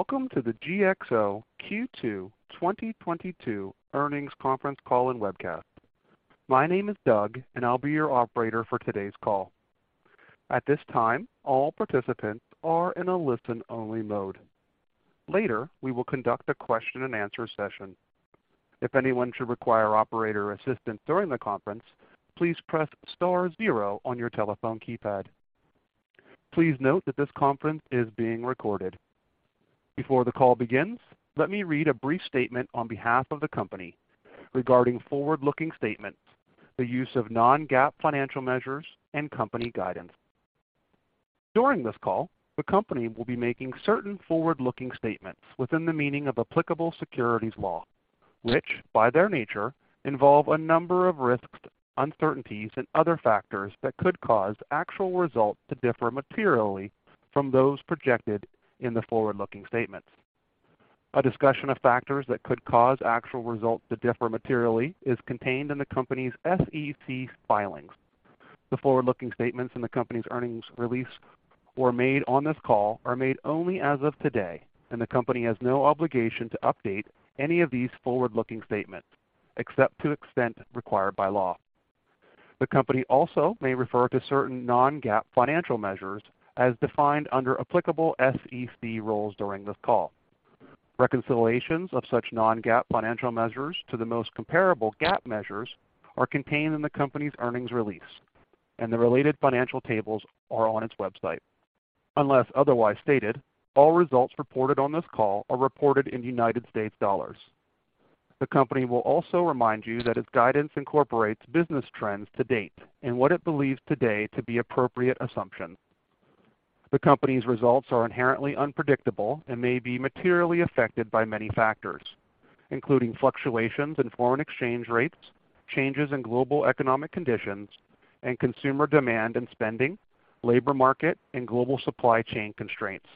Welcome to the GXO Q2 2022 earnings conference call and webcast. My name is Doug, and I'll be your operator for today's call. At this time, all participants are in a listen-only mode. Later, we will conduct a question-and-answer session. If anyone should require operator assistance during the conference, please press star zero on your telephone keypad. Please note that this conference is being recorded. Before the call begins, let me read a brief statement on behalf of the company regarding forward-looking statements, the use of non-GAAP financial measures and company guidance. During this call, the company will be making certain forward-looking statements within the meaning of applicable securities law, which, by their nature, involve a number of risks, uncertainties and other factors that could cause actual results to differ materially from those projected in the forward-looking statements. A discussion of factors that could cause actual results to differ materially is contained in the company's SEC filings. The forward-looking statements in the company's earnings release and made on this call are made only as of today, and the company has no obligation to update any of these forward-looking statements except to the extent required by law. The company also may refer to certain non-GAAP financial measures as defined under applicable SEC rules during this call. Reconciliations of such non-GAAP financial measures to the most comparable GAAP measures are contained in the company's earnings release, and the related financial tables are on its website. Unless otherwise stated, all results reported on this call are reported in United States dollars. The company will also remind you that its guidance incorporates business trends to date and what it believes today to be appropriate assumptions. The company's results are inherently unpredictable and may be materially affected by many factors, including fluctuations in foreign exchange rates, changes in global economic conditions and consumer demand and spending, labor market and global supply chain constraints,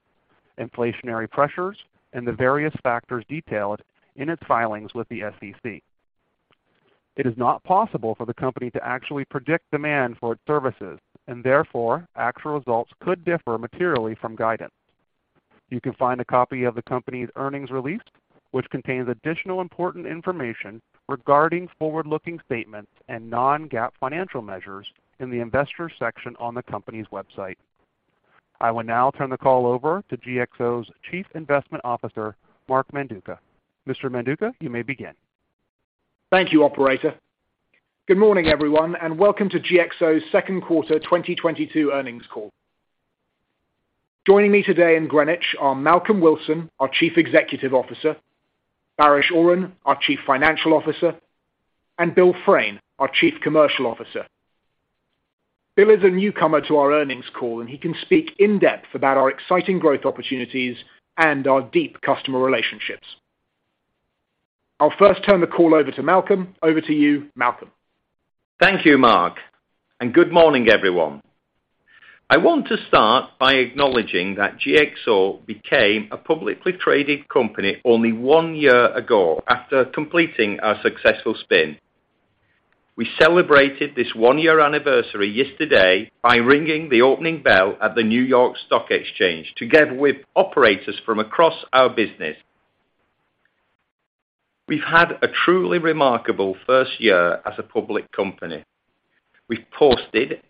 inflationary pressures, and the various factors detailed in its filings with the SEC. It is not possible for the company to actually predict demand for its services, and therefore, actual results could differ materially from guidance. You can find a copy of the company's earnings release, which contains additional important information regarding forward-looking statements and non-GAAP financial measures in the investors section on the company's website. I will now turn the call over to GXO's Chief Investment Officer, Mark Manduca. Mr. Manduca, you may begin. Thank you, operator. Good morning, everyone, and welcome to GXO's Q2 2022 earnings call. Joining me today in Greenwich are Malcolm Wilson, our Chief Executive Officer, Baris Oran, our Chief Financial Officer, and Bill Fraine, our Chief Commercial Officer. Bill is a newcomer to our earnings call, and he can speak in-depth about our exciting growth opportunities and our deep customer relationships. I'll first turn the call over to Malcolm. Over to you, Malcolm. Thank you, Mark, and good morning, everyone. I want to start by acknowledging that GXO became a publicly traded company only one year ago after completing our successful spin. We celebrated this one-year anniversary yesterday by ringing the opening bell at the New York Stock Exchange together with operators from across our business. We've had a truly remarkable first year as a public company. We've posted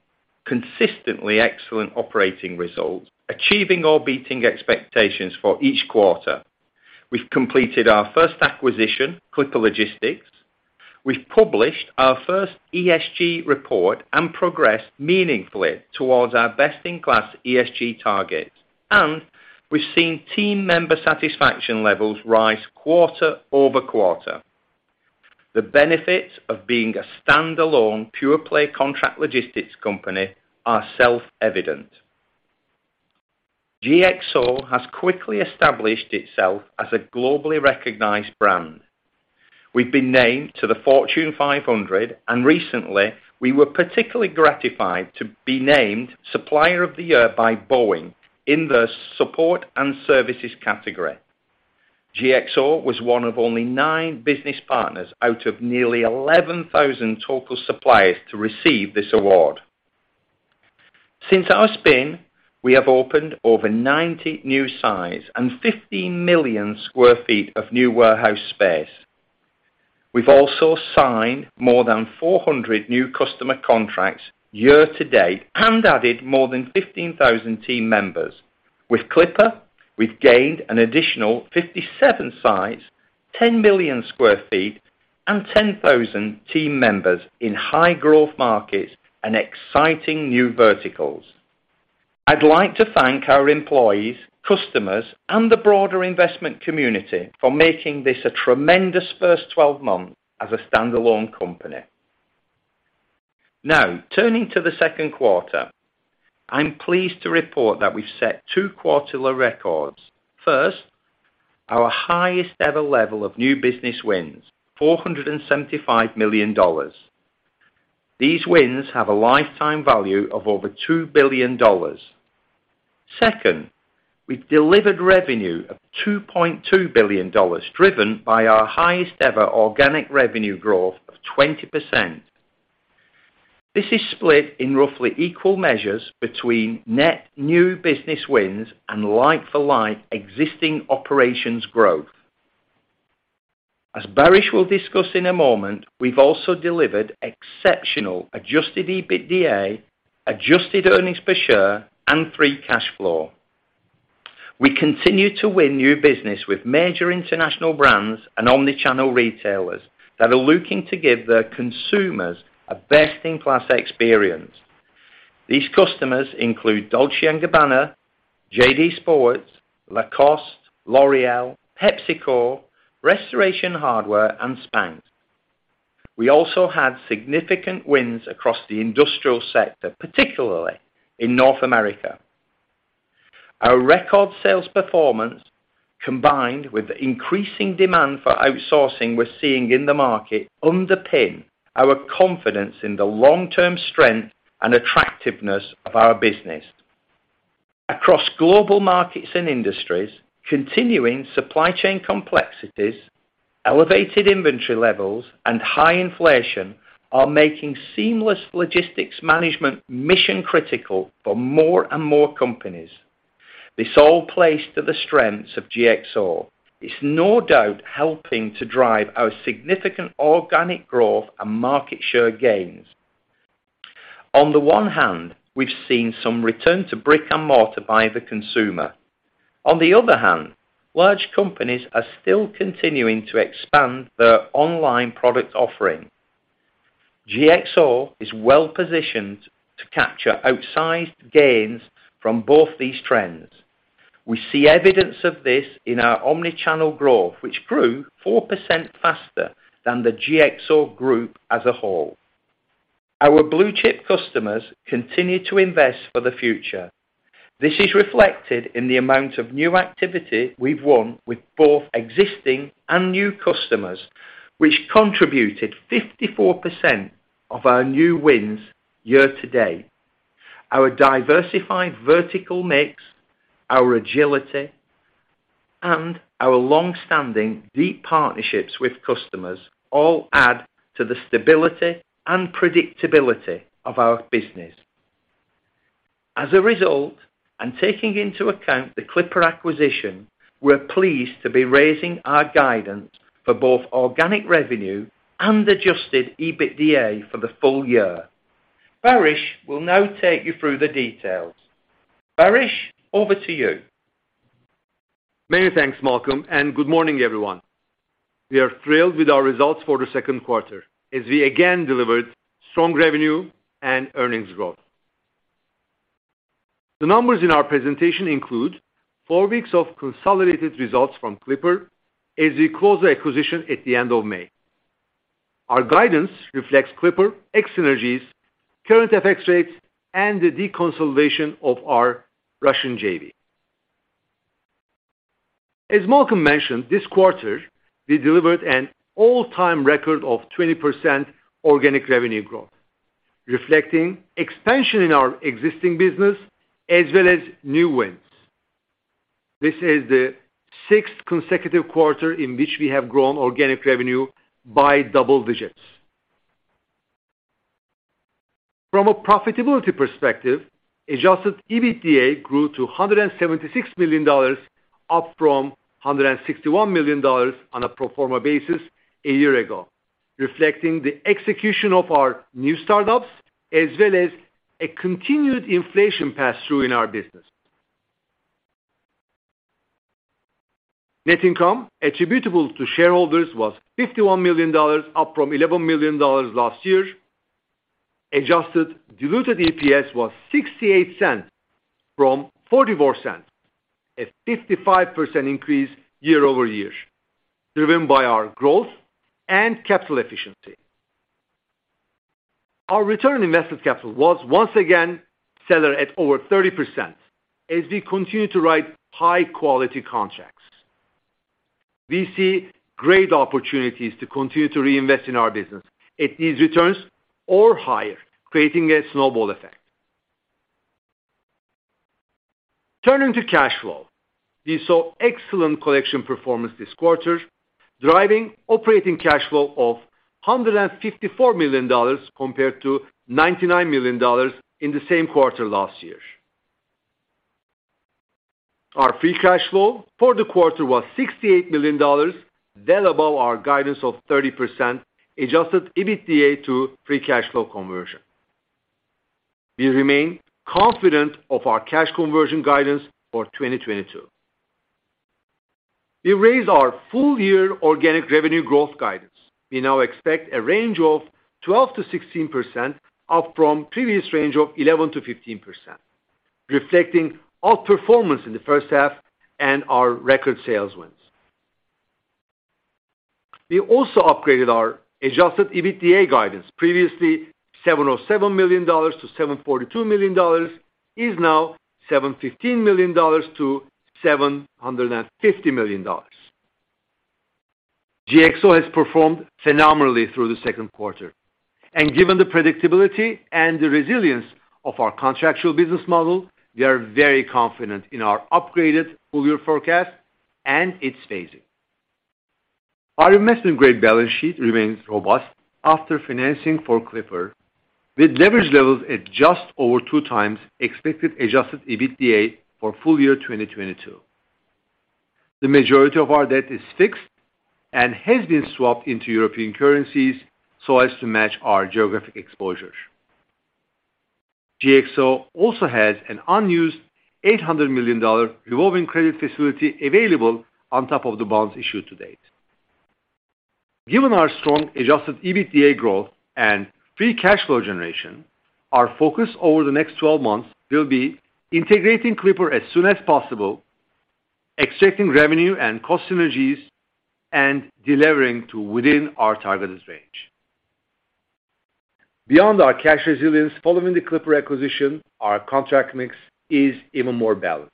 consistently excellent operating results, achieving or beating expectations for each quarter. We've completed our first acquisition, Clipper Logistics. We've published our first ESG report and progressed meaningfully towards our best-in-class ESG targets. We've seen team member satisfaction levels rise quarter-over-quarter. The benefits of being a standalone pure-play contract logistics company are self-evident. GXO has quickly established itself as a globally recognized brand. We've been named to the Fortune 500, and recently, we were particularly gratified to be named Supplier of the Year by Boeing in the support and services category. GXO was one of only 9 business partners out of nearly 11,000 total suppliers to receive this award. Since our spin, we have opened over 90 new sites and 50 million sq ft of new warehouse space. We've also signed more than 400 new customer contracts year to date and added more than 15,000 team members. With Clipper, we've gained an additional 57 sites, 10 million sq ft and 10,000 team members in high-growth markets and exciting new verticals. I'd like to thank our employees, customers, and the broader investment community for making this a tremendous first 12 months as a standalone company. Now, turning to the Q2. I'm pleased to report that we've set Q2 records. First, our highest ever level of new business wins, $475 million. These wins have a lifetime value of over $2 billion. Second, we've delivered revenue of $2.2 billion, driven by our highest ever organic revenue growth of 20%. This is split in roughly equal measures between net new business wins and like for like existing operations growth. As Baris will discuss in a moment, we've also delivered exceptional adjusted EBITDA, adjusted earnings per share, and free cash flow. We continue to win new business with major international brands and omni-channel retailers that are looking to give their consumers a best-in-class experience. These customers include Dolce & Gabbana, JD Sports, Lacoste, L'Oréal, PepsiCo, Restoration Hardware, and Spanx. We also had significant wins across the industrial sector, particularly in North America. Our record sales performance, combined with the increasing demand for outsourcing we're seeing in the market underpin our confidence in the long-term strength and attractiveness of our business. Across global markets and industries, continuing supply chain complexities, elevated inventory levels, and high inflation are making seamless logistics management mission-critical for more and more companies. This all plays to the strengths of GXO. It's no doubt helping to drive our significant organic growth and market share gains. On the one hand, we've seen some return to brick-and-mortar by the consumer. On the other hand, large companies are still continuing to expand their online product offering. GXO is well-positioned to capture outsized gains from both these trends. We see evidence of this in our omnichannel growth, which grew 4% faster than the GXO group as a whole. Our blue-chip customers continue to invest for the future. This is reflected in the amount of new activity we've won with both existing and new customers, which contributed 54% of our new wins year to date. Our diversified vertical mix, our agility, and our long-standing deep partnerships with customers all add to the stability and predictability of our business. As a result, and taking into account the Clipper acquisition, we're pleased to be raising our guidance for both organic revenue and adjusted EBITDA for the full year. Baris will now take you through the details. Baris, over to you. Many thanks, Malcolm, and good morning, everyone. We are thrilled with our results for the Q2 as we again delivered strong revenue and earnings growth. The numbers in our presentation include 4 weeks of consolidated results from Clipper as we close the acquisition at the end of May. Our guidance reflects Clipper ex synergies, current FX rates, and the deconsolidation of our Russian JV. As Malcolm mentioned, this quarter, we delivered an all-time record of 20% organic revenue growth, reflecting expansion in our existing business as well as new wins. This is the sixth consecutive quarter in which we have grown organic revenue by double digits. From a profitability perspective, adjusted EBITDA grew to $176 million, up from $161 million on a pro forma basis a year ago, reflecting the execution of our new startups as well as a continued inflation pass-through in our business. Net income attributable to shareholders was $51 million, up from $11 million last year. Adjusted diluted EPS was $0.68 from $0.44, a 55% increase year-over-year, driven by our growth and capital efficiency. Our return on invested capital was once again stellar at over 30% as we continue to write high-quality contracts. We see great opportunities to continue to reinvest in our business at these returns or higher, creating a snowball effect. Turning to cash flow. We saw excellent collection performance this quarter, driving operating cash flow of $154 million compared to $99 million in the same quarter last year. Our free cash flow for the quarter was $68 million, well above our guidance of 30% adjusted EBITDA to free cash flow conversion. We remain confident of our cash conversion guidance for 2022. We raised our full year organic revenue growth guidance. We now expect a range of 12%-16% up from previous range of 11%-15%, reflecting outperformance in the first half and our record sales wins. We also upgraded our adjusted EBITDA guidance. Previously, $707 million to $742 million is now $715 million-$750 million. GXO has performed phenomenally through the Q2. Given the predictability and the resilience of our contractual business model, we are very confident in our upgraded full-year forecast and its phasing. Our investment-grade balance sheet remains robust after financing for Clipper, with leverage levels at just over 2x expected adjusted EBITDA for full year 2022. The majority of our debt is fixed and has been swapped into European currencies so as to match our geographic exposures. GXO also has an unused $800 million revolving credit facility available on top of the bonds issued to date. Given our strong adjusted EBITDA growth and free cash flow generation, our focus over the next twelve months will be integrating Clipper as soon as possible, extracting revenue and cost synergies, and delivering to within our targeted range. Beyond our cash resilience following the Clipper acquisition, our contract mix is even more balanced.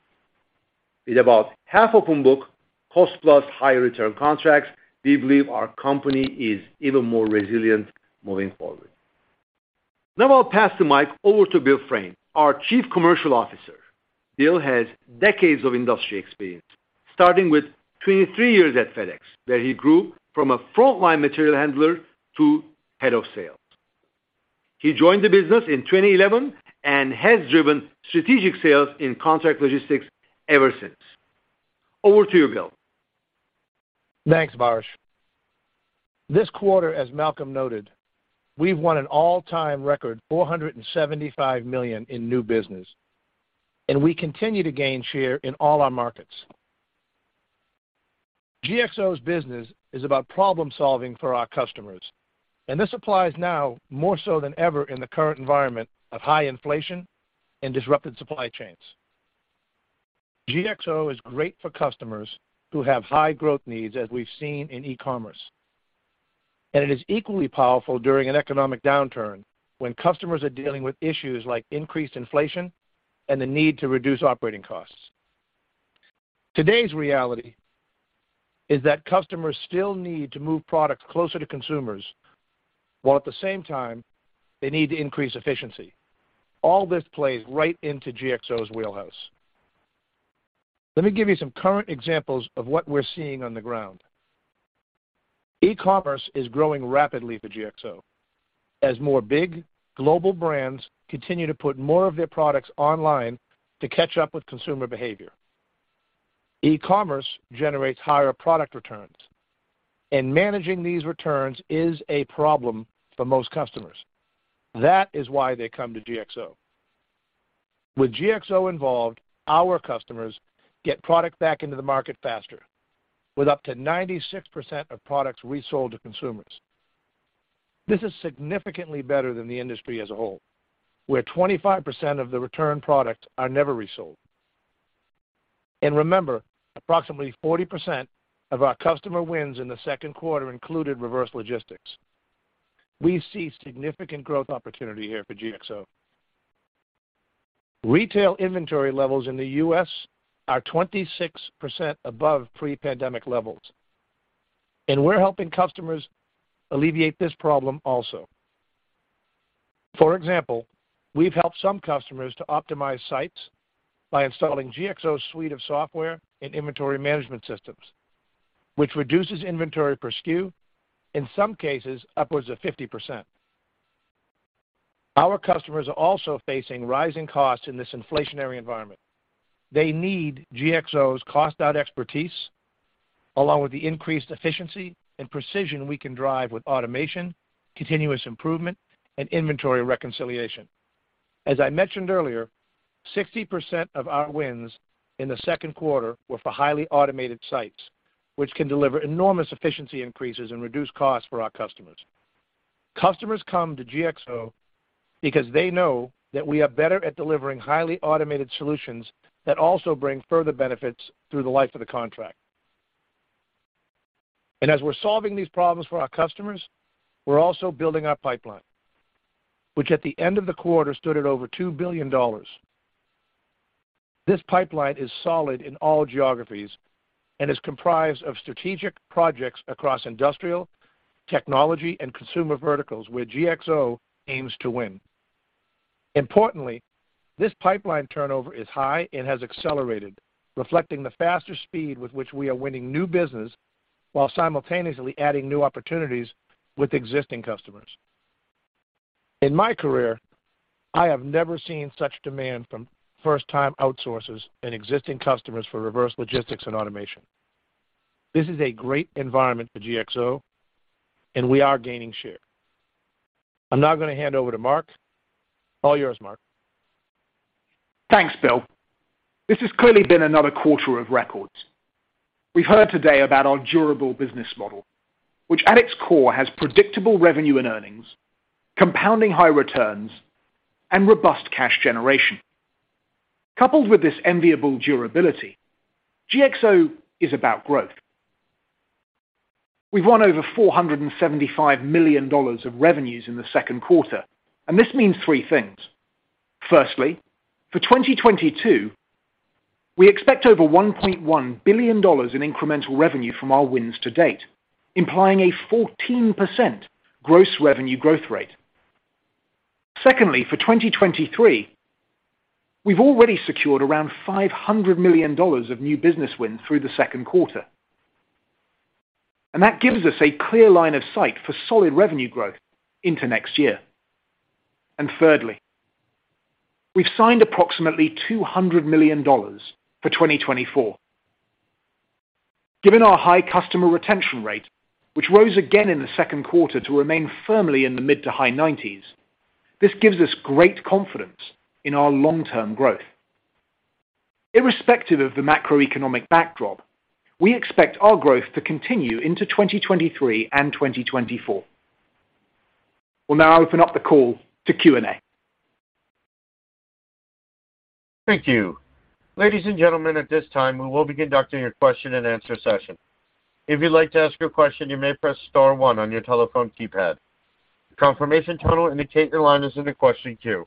With about half of them book cost plus high return contracts, we believe our company is even more resilient moving forward. Now I'll pass the mic over to Bill Fraine, our Chief Commercial Officer. Bill has decades of industry experience, starting with 23 years at FedEx, where he grew from a frontline material handler to head of sales. He joined the business in 2011 and has driven strategic sales in contract logistics ever since. Over to you, Bill. Thanks, Baris. This quarter, as Malcolm noted, we've won an all-time record $475 million in new business, and we continue to gain share in all our markets. GXO's business is about problem-solving for our customers, and this applies now more so than ever in the current environment of high inflation and disrupted supply chains. GXO is great for customers who have high growth needs as we've seen in e-commerce, and it is equally powerful during an economic downturn when customers are dealing with issues like increased inflation and the need to reduce operating costs. Today's reality is that customers still need to move products closer to consumers, while at the same time they need to increase efficiency. All this plays right into GXO's wheelhouse. Let me give you some current examples of what we're seeing on the ground. E-commerce is growing rapidly for GXO as more big global brands continue to put more of their products online to catch up with consumer behavior. E-commerce generates higher product returns, and managing these returns is a problem for most customers. That is why they come to GXO. With GXO involved, our customers get product back into the market faster with up to 96% of products resold to consumers. This is significantly better than the industry as a whole, where 25% of the returned products are never resold. Remember, approximately 40% of our customer wins in the Q2 included reverse logistics. We see significant growth opportunity here for GXO. Retail inventory levels in the U.S. are 26% above pre-pandemic levels, and we're helping customers alleviate this problem also. For example, we've helped some customers to optimize sites by installing GXO suite of software and inventory management systems, which reduces inventory per SKU, in some cases upwards of 50%. Our customers are also facing rising costs in this inflationary environment. They need GXO's cost out expertise along with the increased efficiency and precision we can drive with automation, continuous improvement, and inventory reconciliation. As I mentioned earlier, 60% of our wins in the Q2 were for highly automated sites, which can deliver enormous efficiency increases and reduce costs for our customers. Customers come to GXO because they know that we are better at delivering highly automated solutions that also bring further benefits through the life of the contract. We're solving these problems for our customers, we're also building our pipeline, which at the end of the quarter stood at over $2 billion. This pipeline is solid in all geographies and is comprised of strategic projects across industrial, technology, and consumer verticals where GXO aims to win. Importantly, this pipeline turnover is high and has accelerated, reflecting the faster speed with which we are winning new business while simultaneously adding new opportunities with existing customers. In my career, I have never seen such demand from first-time outsourcers and existing customers for reverse logistics and automation. This is a great environment for GXO, and we are gaining share. I'm now gonna hand over to Mark. All yours, Mark. Thanks, Bill. This has clearly been another quarter of records. We've heard today about our durable business model, which at its core has predictable revenue and earnings, compounding high returns, and robust cash generation. Coupled with this enviable durability, GXO is about growth. We've won over $475 million of revenues in the Q2, and this means three things. Firstly, for 2022, we expect over $1.1 billion in incremental revenue from our wins to date, implying a 14% gross revenue growth rate. Secondly, for 2023, we've already secured around $500 million of new business wins through the Q2. That gives us a clear line of sight for solid revenue growth into next year. Thirdly, we've signed approximately $200 million for 2024. Given our high customer retention rate, which rose again in the Q2 to remain firmly in the mid- to high-90s%, this gives us great confidence in our long-term growth. Irrespective of the macroeconomic backdrop, we expect our growth to continue into 2023 and 2024. We'll now open up the call to Q&A. Thank you. Ladies and gentlemen, at this time we will be conducting your question and answer session. If you'd like to ask your question, you may press star one on your telephone keypad. Confirmation tone will indicate your line is in the question queue.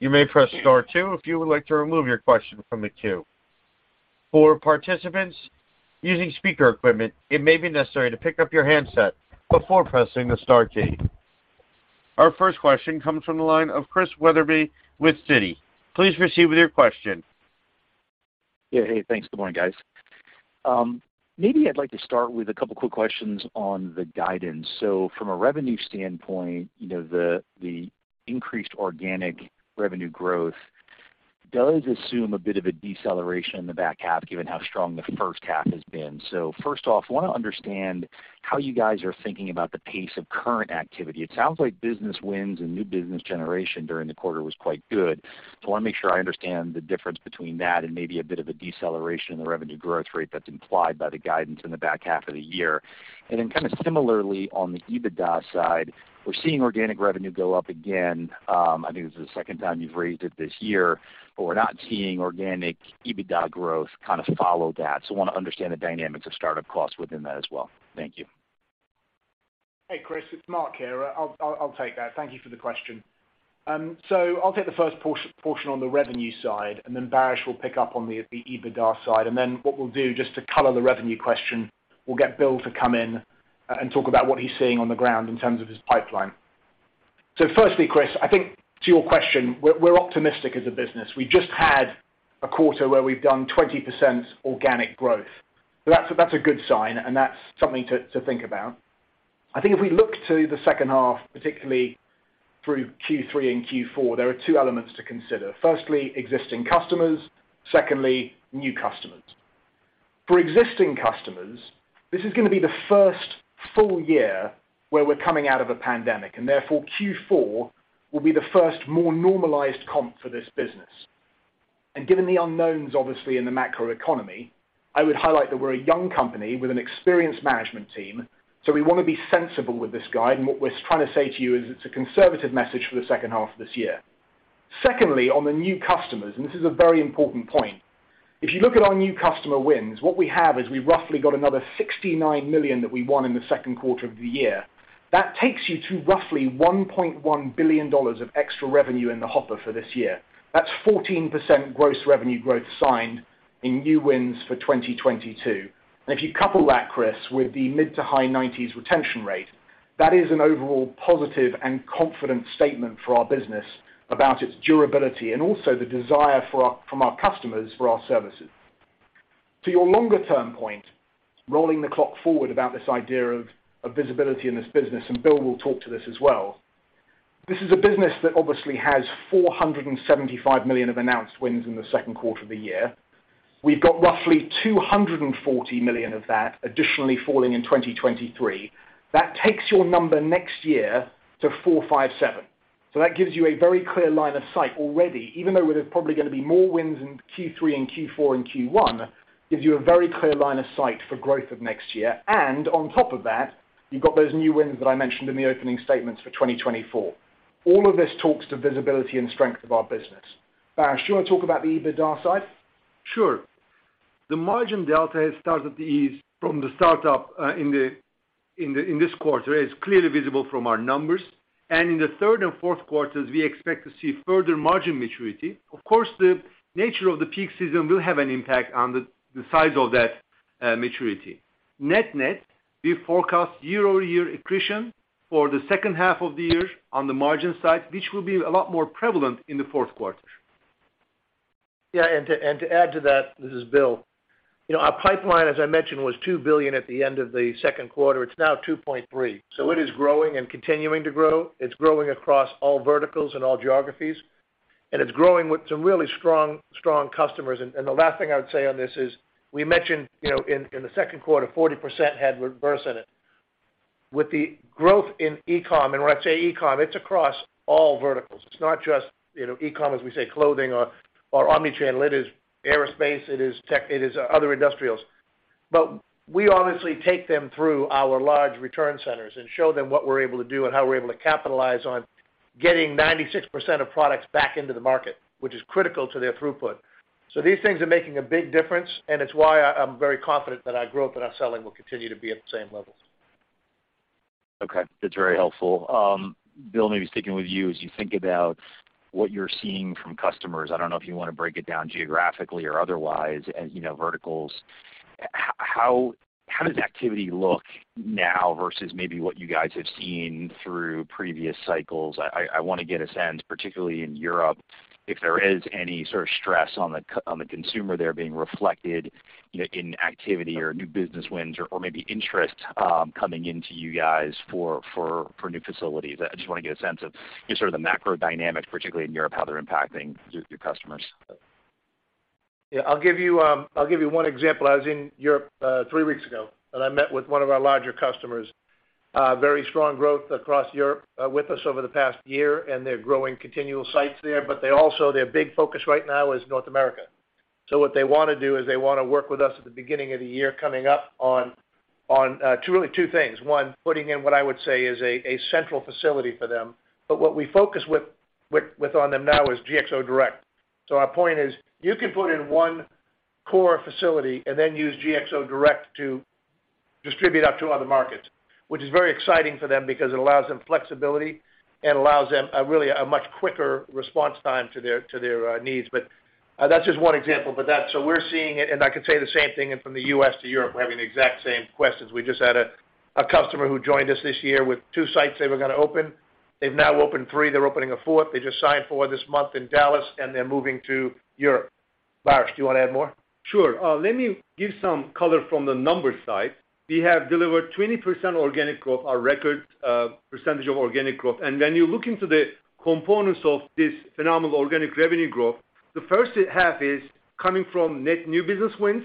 You may press star two if you would like to remove your question from the queue. For participants using speaker equipment, it may be necessary to pick up your handset before pressing the star key. Our first question comes from the line of Christian Wetherbee with Citi. Please proceed with your question. Yeah. Hey, thanks. Good morning, guys. Maybe I'd like to start with a couple quick questions on the guidance. From a revenue standpoint, you know, the increased organic revenue growth does assume a bit of a deceleration in the back half, given how strong the first half has been. First off, want to understand how you guys are thinking about the pace of current activity. It sounds like business wins and new business generation during the quarter was quite good. I want to make sure I understand the difference between that and maybe a bit of a deceleration in the revenue growth rate that's implied by the guidance in the back half of the year. Then kind of similarly on the EBITDA side, we're seeing organic revenue go up again. I think this is the second time you've raised it this year, but we're not seeing organic EBITDA growth kind of follow that. Want to understand the dynamics of start-up costs within that as well. Thank you. Hey, Chris, it's Mark here. I'll take that. Thank you for the question. I'll take the first portion on the revenue side, and then Baris will pick up on the EBITDA side. What we'll do, just to color the revenue question, we'll get Bill to come in and talk about what he's seeing on the ground in terms of his pipeline. Firstly, Chris, I think to your question, we're optimistic as a business. We just had a quarter where we've done 20% organic growth. That's a good sign, and that's something to think about. I think if we look to the second half, particularly through Q3 and Q4, there are two elements to consider. Firstly, existing customers. Secondly, new customers. For existing customers, this is gonna be the first full year where we're coming out of a pandemic, and therefore Q4 will be the first more normalized comp for this business. Given the unknowns, obviously, in the macro economy, I would highlight that we're a young company with an experienced management team, so we want to be sensible with this guide. What we're trying to say to you is it's a conservative message for the second half of this year. Secondly, on the new customers, and this is a very important point, if you look at our new customer wins, what we have is we've roughly got another $69 million that we won in the Q2 of the year. That takes you to roughly $1.1 billion of extra revenue in the hopper for this year. That's 14% gross revenue growth signed in new wins for 2022. If you couple that, Chris, with the mid- to high-90s retention rate, that is an overall positive and confident statement for our business about its durability and also the desire from our customers for our services. To your longer term point, rolling the clock forward about this idea of visibility in this business, and Bill will talk to this as well. This is a business that obviously has $475 million of announced wins in the Q2 of the year. We've got roughly $240 million of that additionally falling in 2023. That takes your number next year to $457 million. That gives you a very clear line of sight already. Even though there's probably gonna be more wins in Q3 and Q4 and Q1, gives you a very clear line of sight for growth of next year. On top of that, you've got those new wins that I mentioned in the opening statements for 2024. All of this talks to visibility and strength of our business. Baris, do you want to talk about the EBITDA side? Sure. The margin delta has started to ease from the start up in this quarter. It's clearly visible from our numbers. In the third and Q4, we expect to see further margin maturity. Of course, the nature of the peak season will have an impact on the size of that maturity. Net net, we forecast year-over-year accretion for the second half of the year on the margin side, which will be a lot more prevalent in the Q4. Yeah. To add to that, this is Bill. You know, our pipeline, as I mentioned, was $2 billion at the end of the Q2. It's now $2.3 billion. It is growing and continuing to grow. It's growing across all verticals and all geographies, and it's growing with some really strong customers. The last thing I would say on this is we mentioned, you know, in the Q2, 40% had reverse in it. With the growth in e-com, and when I say e-com, it's across all verticals. It's not just, you know, e-com, as we say, clothing or omnichannel. It is aerospace, it is tech, it is other industrials. We obviously take them through our large return centers and show them what we're able to do and how we're able to capitalize on getting 96% of products back into the market, which is critical to their throughput. These things are making a big difference, and it's why I'm very confident that our growth that I'm selling will continue to be at the same levels. Okay, that's very helpful. Bill, maybe sticking with you as you think about what you're seeing from customers, I don't know if you wanna break it down geographically or otherwise, and, you know, verticals. How does activity look now versus maybe what you guys have seen through previous cycles? I wanna get a sense, particularly in Europe, if there is any sort of stress on the consumer there being reflected, you know, in activity or new business wins or maybe interest coming into you guys for new facilities. I just wanna get a sense of just sort of the macro dynamic, particularly in Europe, how they're impacting your customers. Yeah. I'll give you one example. I was in Europe three weeks ago, and I met with one of our larger customers. Very strong growth across Europe with us over the past year, and they're growing additional sites there. They also, their big focus right now is North America. What they wanna do is they wanna work with us at the beginning of the year coming up on two really two things. One, putting in what I would say is a central facility for them. What we focus on with them now is GXO Direct. Our point is, you can put in one core facility and then use GXO Direct to distribute out to other markets, which is very exciting for them because it allows them flexibility and allows them a much quicker response time to their needs. That's just one example. We're seeing it, and I can say the same thing from the U.S. to Europe. We're having the exact same questions. We just had a customer who joined us this year with two sites they were gonna open. They've now opened three. They're opening a 4th. They just signed four this month in Dallas, and they're moving to Europe. Baris, do you wanna add more? Sure. Let me give some color from the numbers side. We have delivered 20% organic growth, our record percentage of organic growth. When you look into the components of this phenomenal organic revenue growth, the first half is coming from net new business wins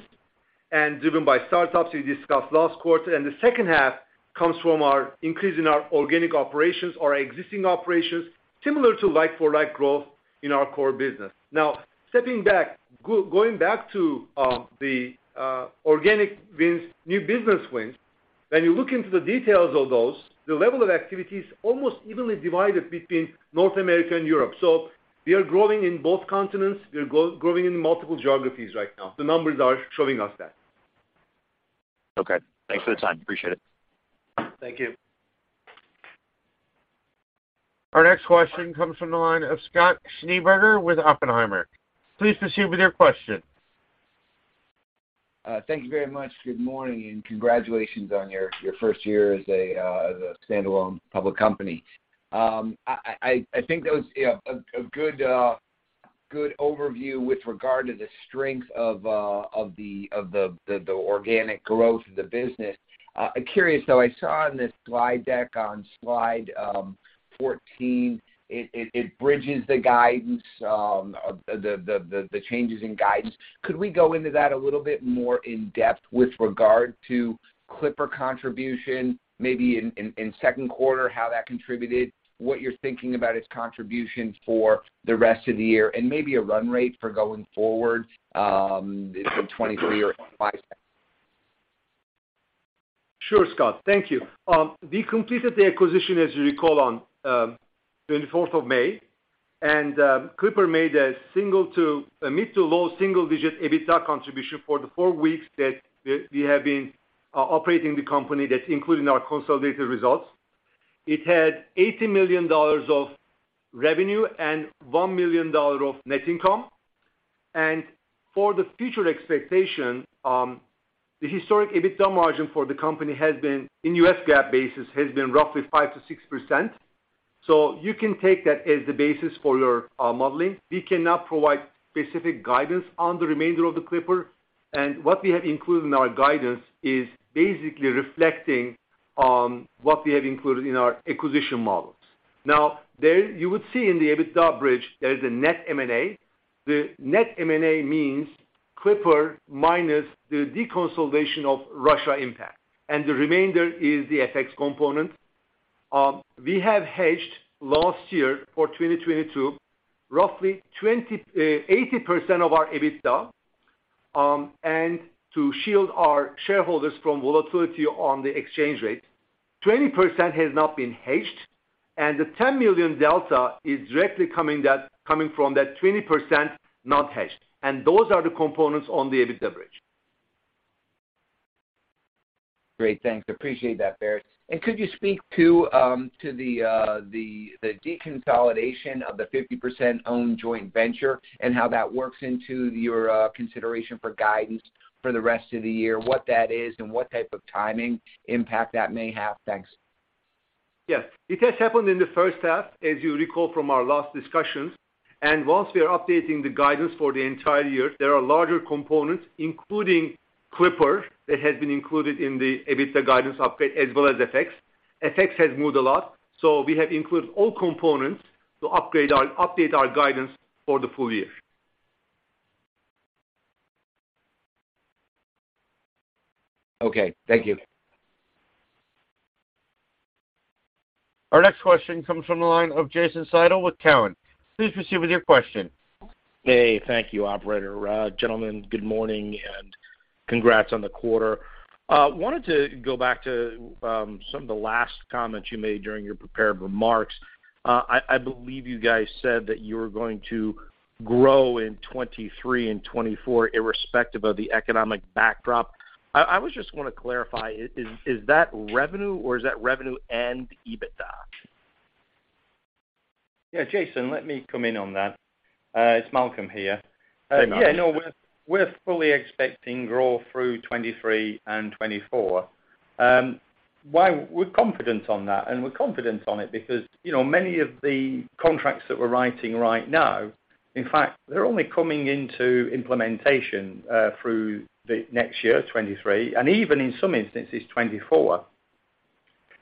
and driven by startups we discussed last quarter. The second half comes from our increase in our organic operations or existing operations, similar to like for like growth in our core business. Now stepping back, going back to the organic wins, new business wins, when you look into the details of those, the level of activity is almost evenly divided between North America and Europe. We are growing in both continents. We are growing in multiple geographies right now. The numbers are showing us that. Okay. Thanks for the time. Appreciate it. Thank you. Our next question comes from the line of Scott Schneeberger with Oppenheimer. Please proceed with your question. Thank you very much. Good morning, and congratulations on your first year as a standalone public company. I think that was a good overview with regard to the strength of the organic growth of the business. I'm curious, though. I saw on this slide deck on slide 14, it bridges the guidance of the changes in guidance. Could we go into that a little bit more in-depth with regard to Clipper contribution, maybe in Q2, how that contributed, what you're thinking about its contribution for the rest of the year, and maybe a run rate for going forward for 2023 or 2025? Sure, Scott. Thank you. We completed the acquisition, as you recall, on the twenty-fourth of May. Clipper made a mid- to low single-digit EBITDA contribution for the four weeks that we have been operating the company that's included in our consolidated results. It had $80 million of revenue and $1 million of net income. For the future expectation, the historic EBITDA margin for the company has been, in US GAAP basis, roughly 5%-6%. You can take that as the basis for your modeling. We cannot provide specific guidance on the remainder of the Clipper. What we have included in our guidance is basically reflecting on what we have included in our acquisition models. Now, there you would see in the EBITDA bridge there is a net M&A. The net M&A means Clipper minus the deconsolidation of Russia impact, and the remainder is the FX component. We have hedged last year for 2022, roughly 80% of our EBITDA, and to shield our shareholders from volatility on the exchange rate. 20% has not been hedged, and the $10 million delta is directly coming from that 20% not hedged. Those are the components on the EBITDA bridge. Great. Thanks. Appreciate that, Baris. Could you speak to the deconsolidation of the 50% owned joint venture and how that works into your consideration for guidance for the rest of the year, what that is and what type of timing impact that may have? Thanks. Yes. It has happened in the first half, as you recall from our last discussions. While we are updating the guidance for the entire year, there are larger components, including Clipper, that has been included in the EBITDA guidance update, as well as FX. FX has moved a lot, so we have included all components to update our guidance for the full year. Okay. Thank you. Our next question comes from the line of Jason Seidl with Cowen. Please proceed with your question. Hey. Thank you, operator. Gentlemen, good morning and congrats on the quarter. Wanted to go back to some of the last comments you made during your prepared remarks. I believe you guys said that you were going to grow in 2023 and 2024, irrespective of the economic backdrop. I was just wanna clarify, is that revenue or is that revenue and EBITDA? Yeah, Jason, let me come in on that. It's Malcolm here. Hey, Malcolm. Yeah, no, we're fully expecting growth through 2023 and 2024. Why we're confident on that, and we're confident on it because, you know, many of the contracts that we're writing right now, in fact, they're only coming into implementation through the next year, 2023, and even in some instances, 2024.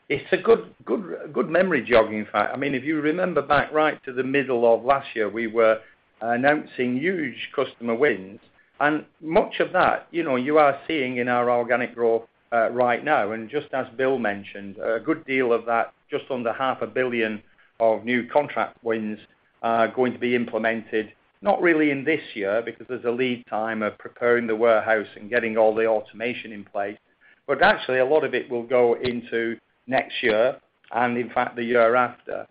It's a good memory jog, in fact. I mean, if you remember back to the middle of last year, we were announcing huge customer wins. Much of that, you know, you are seeing in our organic growth right now. Just as Bill mentioned, a good deal of that, just under $half a billion of new contract wins are going to be implemented, not really in this year because there's a lead time of preparing the warehouse and getting all the automation in place. Actually, a lot of it will go into next year and, in fact, the year after.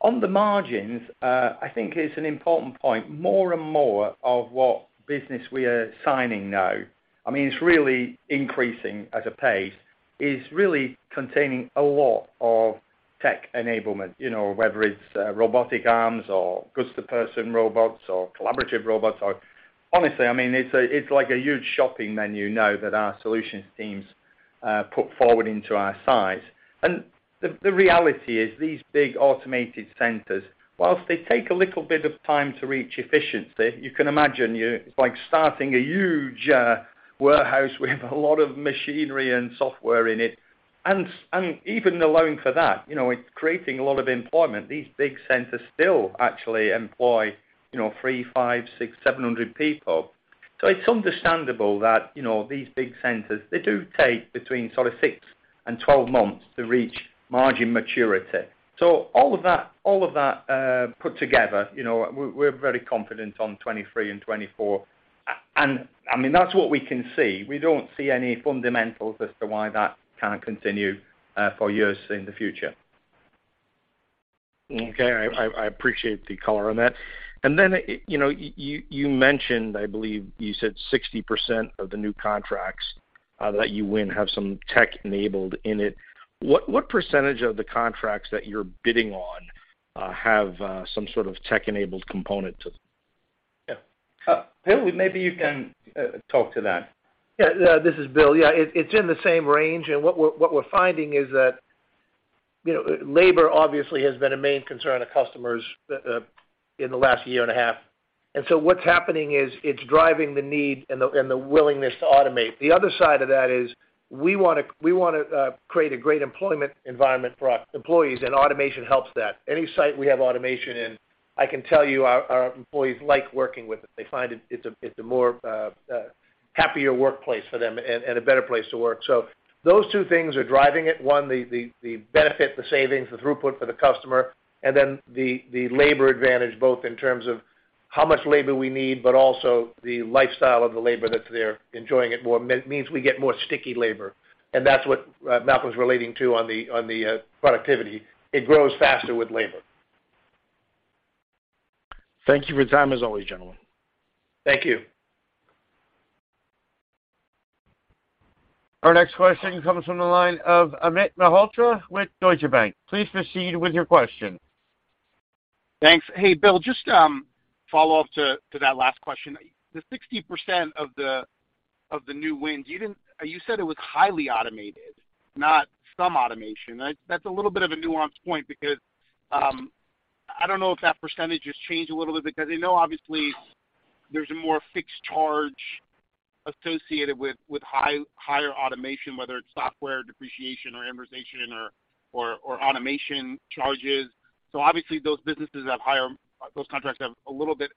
On the margins, I think it's an important point. More and more of what business we are signing now, I mean, it's really increasing at a pace, is really containing a lot of tech enablement. You know, whether it's robotic arms or goods-to-person robots or collaborative robots or honestly, I mean, it's like a huge shopping menu now that our solutions teams put forward into our sites. The reality is these big automated centers, whilst they take a little bit of time to reach efficiency, you can imagine it's like starting a huge warehouse with a lot of machinery and software in it. Even allowing for that, you know, it's creating a lot of employment. These big centers still actually employ, you know, 300, 500, 600, 700 people. It's understandable that, you know, these big centers, they do take between sort of 6 and 12 months to reach margin maturity. All of that put together, you know, we're very confident on 2023 and 2024. I mean, that's what we can see. We don't see any fundamentals as to why that can't continue for years in the future. Okay. I appreciate the color on that. You know, you mentioned, I believe you said 60% of the new contracts that you win have some tech-enabled in it. What percentage of the contracts that you're bidding on have some sort of tech-enabled component to them? Yeah. Bill, maybe you can talk to that. Yeah. This is Bill. Yeah. It's in the same range. What we're finding is that, you know, labor obviously has been a main concern of customers in the last year and a half. What's happening is it's driving the need and the willingness to automate. The other side of that is we wanna create a great employment environment for our employees, and automation helps that. Any site we have automation in, I can tell you our employees like working with it. They find it's a more happier workplace for them and a better place to work. Those two things are driving it. One, the benefit, the savings, the throughput for the customer, and then the labor advantage, both in terms of how much labor we need, but also the lifestyle of the labor that's there enjoying it more. I mean we get more sticky labor, and that's what Malcolm's relating to on the productivity. It grows faster with labor. Thank you for your time as always, gentlemen. Thank you. Our next question comes from the line of Amit Mehrotra with Deutsche Bank. Please proceed with your question. Thanks. Hey, Bill, just follow up to that last question. The 60% of the new wins, you said it was highly automated, not some automation. That's a little bit of a nuanced point because I don't know if that percentage has changed a little bit because I know obviously there's a more fixed charge associated with higher automation, whether it's software depreciation or amortization or automation charges. So obviously those businesses have higher, those contracts have a little bit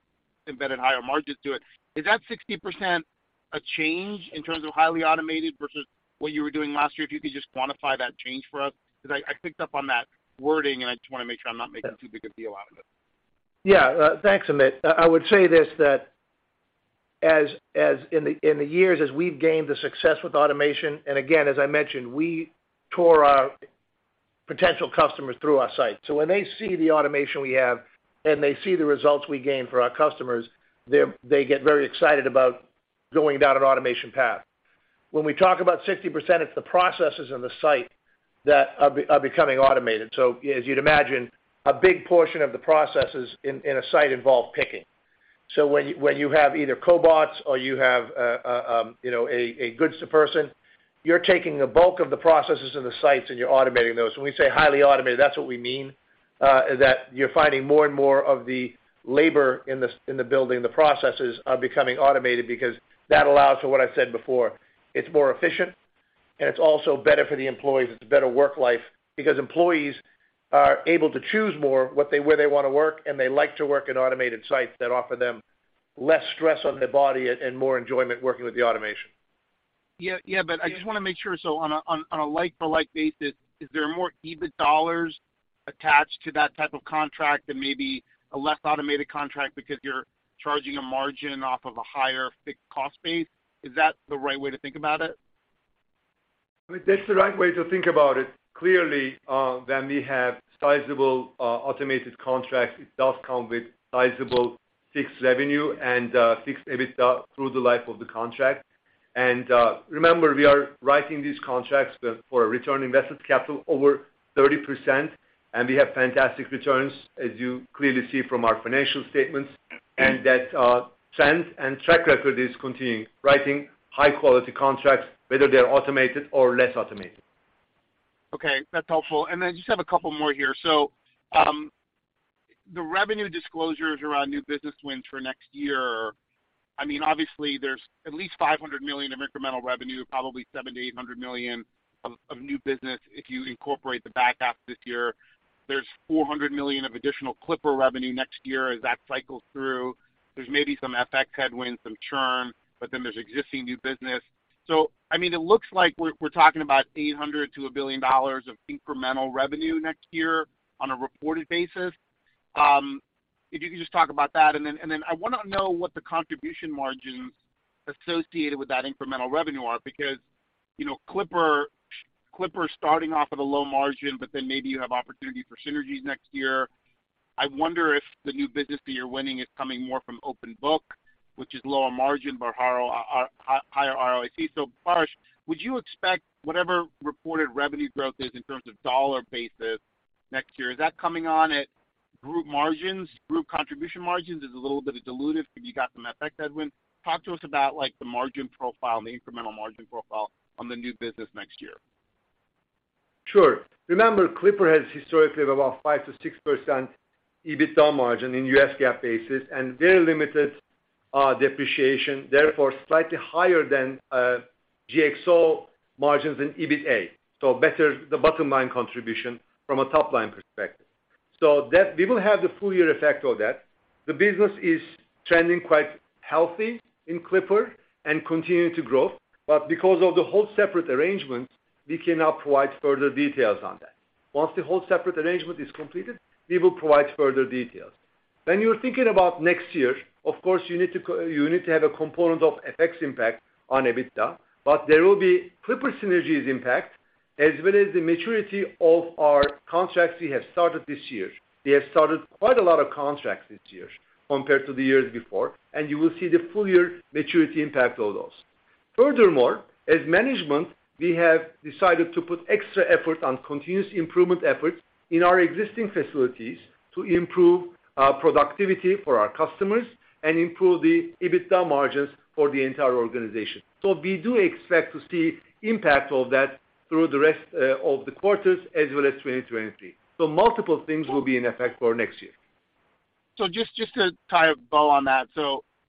embedded higher margins to it. Is that 60% a change in terms of highly automated versus what you were doing last year? If you could just quantify that change for us. 'Cause I picked up on that wording, and I just wanna make sure I'm not making too big a deal out of it. Yeah. Thanks, Amit. I would say this, that as in the years as we've gained the success with automation, and again, as I mentioned, we tour our potential customers through our site. When they see the automation we have and they see the results we gain for our customers, they get very excited about going down an automation path. When we talk about 60%, it's the processes in the site that are becoming automated. As you'd imagine, a big portion of the processes in a site involve picking. When you have either cobots or you have you know a goods-to-person, you're taking the bulk of the processes in the sites and you're automating those. When we say highly automated, that's what we mean, is that you're finding more and more of the labor in the building, the processes are becoming automated because that allows for what I said before. It's more efficient, and it's also better for the employees. It's a better work life because employees are able to choose more where they wanna work, and they like to work in automated sites that offer them less stress on their body and more enjoyment working with the automation. Yeah, but I just wanna make sure. On a like-for-like basis, is there more EBIT dollars attached to that type of contract than maybe a less automated contract because you're charging a margin off of a higher fixed cost base? Is that the right way to think about it? I mean, that's the right way to think about it. Clearly, when we have sizable, automated contracts, it does come with sizable fixed revenue and, fixed EBITDA through the life of the contract. remember we are writing these contracts for a return on invested capital over 30%, and we have fantastic returns, as you clearly see from our financial statements. That trend and track record is continuing, writing high quality contracts, whether they are automated or less automated. Okay, that's helpful. I just have a couple more here. The revenue disclosures around new business wins for next year, I mean, obviously there's at least $500 million of incremental revenue, probably $700 million-$800 million of new business if you incorporate the back half this year. There's $400 million of additional Clipper revenue next year as that cycles through. There's maybe some FX headwinds, some churn, but then there's existing new business. I mean, it looks like we're talking about $800 million-$1 billion of incremental revenue next year on a reported basis. If you could just talk about that. I wanna know what the contribution margins associated with that incremental revenue are because, you know, Clipper is starting off with a low margin, but then maybe you have opportunity for synergies next year. I wonder if the new business that you're winning is coming more from open book, which is lower margin but higher ROIC. Baris, would you expect whatever reported revenue growth is in terms of dollar basis next year, is that coming on at group margins, group contribution margins is a little bit dilutive because you got some FX headwinds. Talk to us about like the margin profile, the incremental margin profile on the new business next year. Sure. Remember, Clipper has historically about 5%-6% EBITDA margin in US GAAP basis and very limited depreciation, therefore slightly higher than GXO margins in EBITA. Better the bottom line contribution from a top line perspective. That we will have the full year effect of that. The business is trending quite healthy in Clipper and continuing to grow. Because of the hold separate arrangement, we cannot provide further details on that. Once the hold separate arrangement is completed, we will provide further details. When you're thinking about next year, of course, you need to have a component of FX impact on EBITDA, but there will be Clipper synergies impact as well as the maturity of our contracts we have started this year. We have started quite a lot of contracts this year compared to the years before, and you will see the full year maturity impact of those. Furthermore, as management, we have decided to put extra effort on continuous improvement efforts in our existing facilities to improve productivity for our customers and improve the EBITDA margins for the entire organization. We do expect to see impact of that through the rest of the quarters as well as 2023. Multiple things will be in effect for next year. Just to tie a bow on that.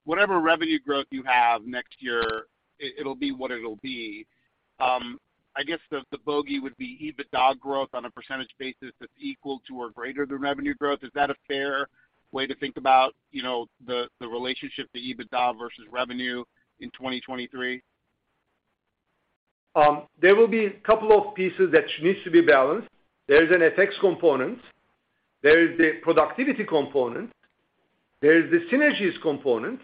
Whatever revenue growth you have next year, it'll be what it'll be. I guess the bogey would be EBITDA growth on a percentage basis that's equal to or greater than revenue growth. Is that a fair way to think about, you know, the relationship to EBITDA versus revenue in 2023? There will be a couple of pieces that needs to be balanced. There is an FX component, there is the productivity component, there is the synergies component,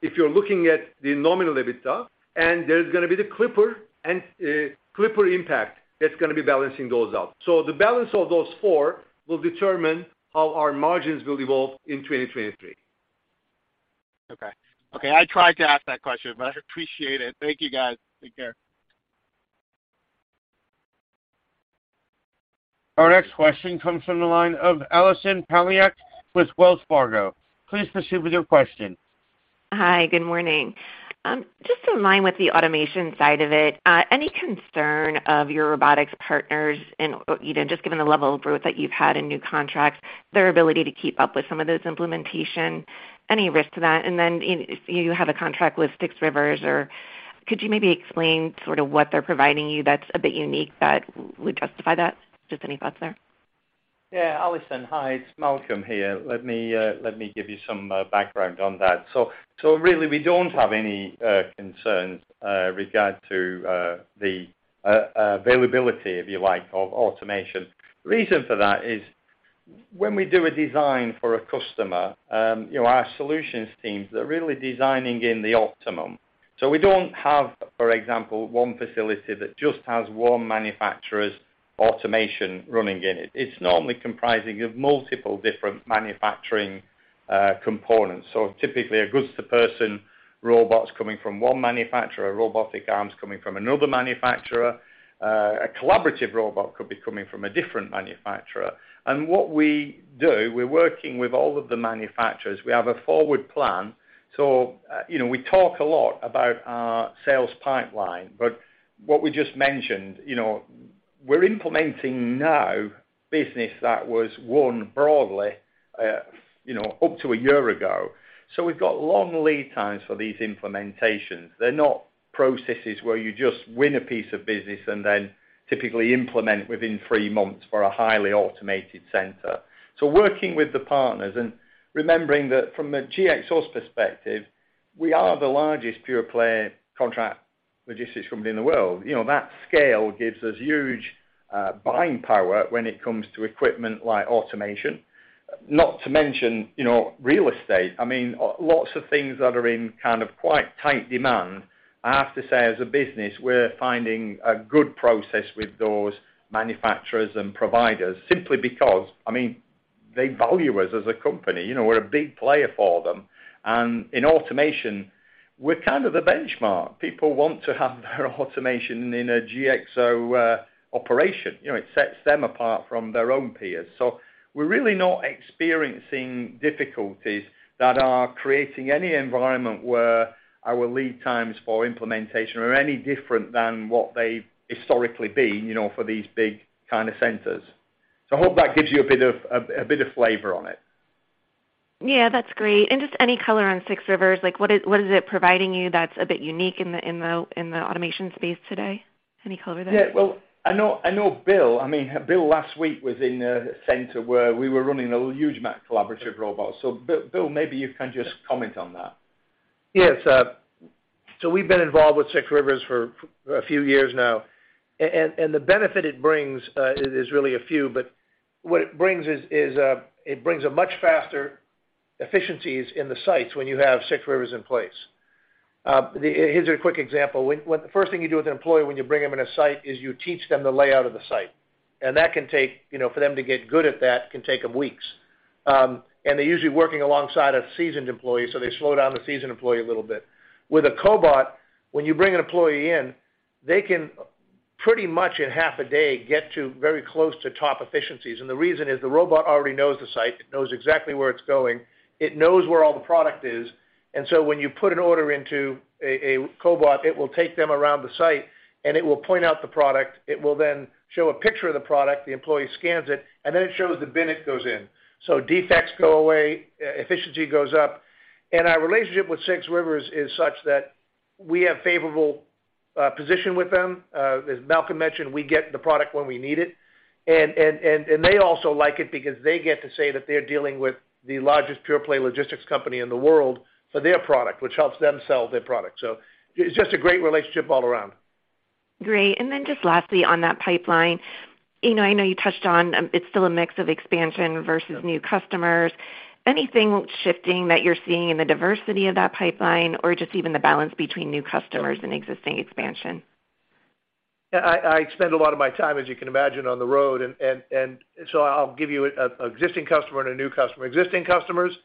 if you're looking at the nominal EBITDA, and there's gonna be the Clipper impact that's gonna be balancing those out. The balance of those four will determine how our margins will evolve in 2023. Okay. Okay, I tried to ask that question, but I appreciate it. Thank you, guys. Take care. Our next question comes from the line of Allison Poliniak-Cusic with Wells Fargo. Please proceed with your question. Hi, good morning. Just in line with the automation side of it, any concern of your robotics partners and, or even just given the level of growth that you've had in new contracts, their ability to keep up with some of those implementation, any risk to that? Then you have a contract with 6 River Systems or could you maybe explain sort of what they're providing you that's a bit unique that would justify that? Just any thoughts there? Yeah. Allison, hi, it's Malcolm here. Let me give you some background on that. So really we don't have any concerns regard to the availability, if you like, of automation. The reason for that is when we do a design for a customer, you know, our solutions teams are really designing in the optimum. We don't have, for example, one facility that just has one manufacturer's automation running in it. It's normally comprising of multiple different manufacturing components. Typically a goods-to-person robots coming from one manufacturer, robotic arms coming from another manufacturer. A collaborative robot could be coming from a different manufacturer. What we do, we're working with all of the manufacturers. We have a forward plan. You know, we talk a lot about our sales pipeline, but what we just mentioned, you know, we're implementing now business that was won broadly, you know, up to a year ago. We've got long lead times for these implementations. They're not processes where you just win a piece of business and then typically implement within three months for a highly automated center. Working with the partners and remembering that from a GXO's perspective, we are the largest pure play contract logistics company in the world. You know, that scale gives us huge buying power when it comes to equipment like automation, not to mention, you know, real estate. I mean, lots of things that are in kind of quite tight demand. I have to say, as a business, we're finding a good process with those manufacturers and providers simply because, I mean. They value us as a company. You know, we're a big player for them. In automation, we're kind of the benchmark. People want to have their automation in a GXO operation. You know, it sets them apart from their own peers. We're really not experiencing difficulties that are creating any environment where our lead times for implementation are any different than what they've historically been, you know, for these big kind of centers. I hope that gives you a bit of flavor on it. Yeah, that's great. Just any color on 6 River Systems, like what is it providing you that's a bit unique in the automation space today? Any color there? Yeah. Well, I know Bill, I mean, Bill, last week was in a center where we were running a huge amount of collaborative robots. Bill, maybe you can just comment on that. Yes. We've been involved with 6 River Systems for a few years now. The benefit it brings is really a few, but what it brings is it brings a much faster efficiencies in the sites when you have 6 River Systems in place. Here's a quick example. The first thing you do with an employee when you bring them in a site is you teach them the layout of the site, and that can take, you know, for them to get good at that, can take them weeks. They're usually working alongside a seasoned employee, so they slow down the seasoned employee a little bit. With a cobot, when you bring an employee in, they can pretty much in half a day get to very close to top efficiencies. The reason is the robot already knows the site. It knows exactly where it's going. It knows where all the product is. When you put an order into a cobot, it will take them around the site, and it will point out the product. It will then show a picture of the product, the employee scans it, and then it shows the bin it goes in. Defects go away, efficiency goes up. Our relationship with six River Systems is such that we have favorable position with them. As Malcolm mentioned, we get the product when we need it. They also like it because they get to say that they're dealing with the largest pure play logistics company in the world for their product, which helps them sell their product. It's just a great relationship all around. Great. Just lastly, on that pipeline, you know, I know you touched on, it's still a mix of expansion versus new customers. Anything shifting that you're seeing in the diversity of that pipeline or just even the balance between new customers and existing expansion? Yeah. I spend a lot of my time, as you can imagine, on the road. I'll give you existing customer and a new customer. Existing customers,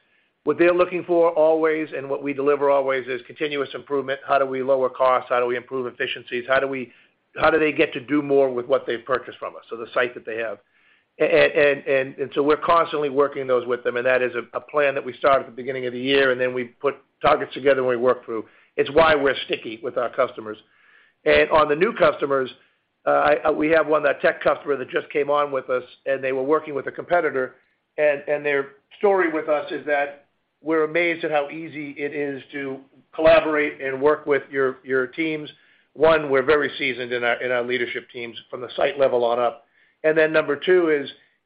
what they're looking for always and what we deliver always is continuous improvement. How do we lower costs? How do we improve efficiencies? How do they get to do more with what they've purchased from us, so the site that they have? We're constantly working those with them, and that is a plan that we start at the beginning of the year, and then we put targets together and we work through. It's why we're sticky with our customers. On the new customers, we have one, that tech customer that just came on with us, and they were working with a competitor. Their story with us is that we're amazed at how easy it is to collaborate and work with your teams. One, we're very seasoned in our leadership teams from the site level on up. Number two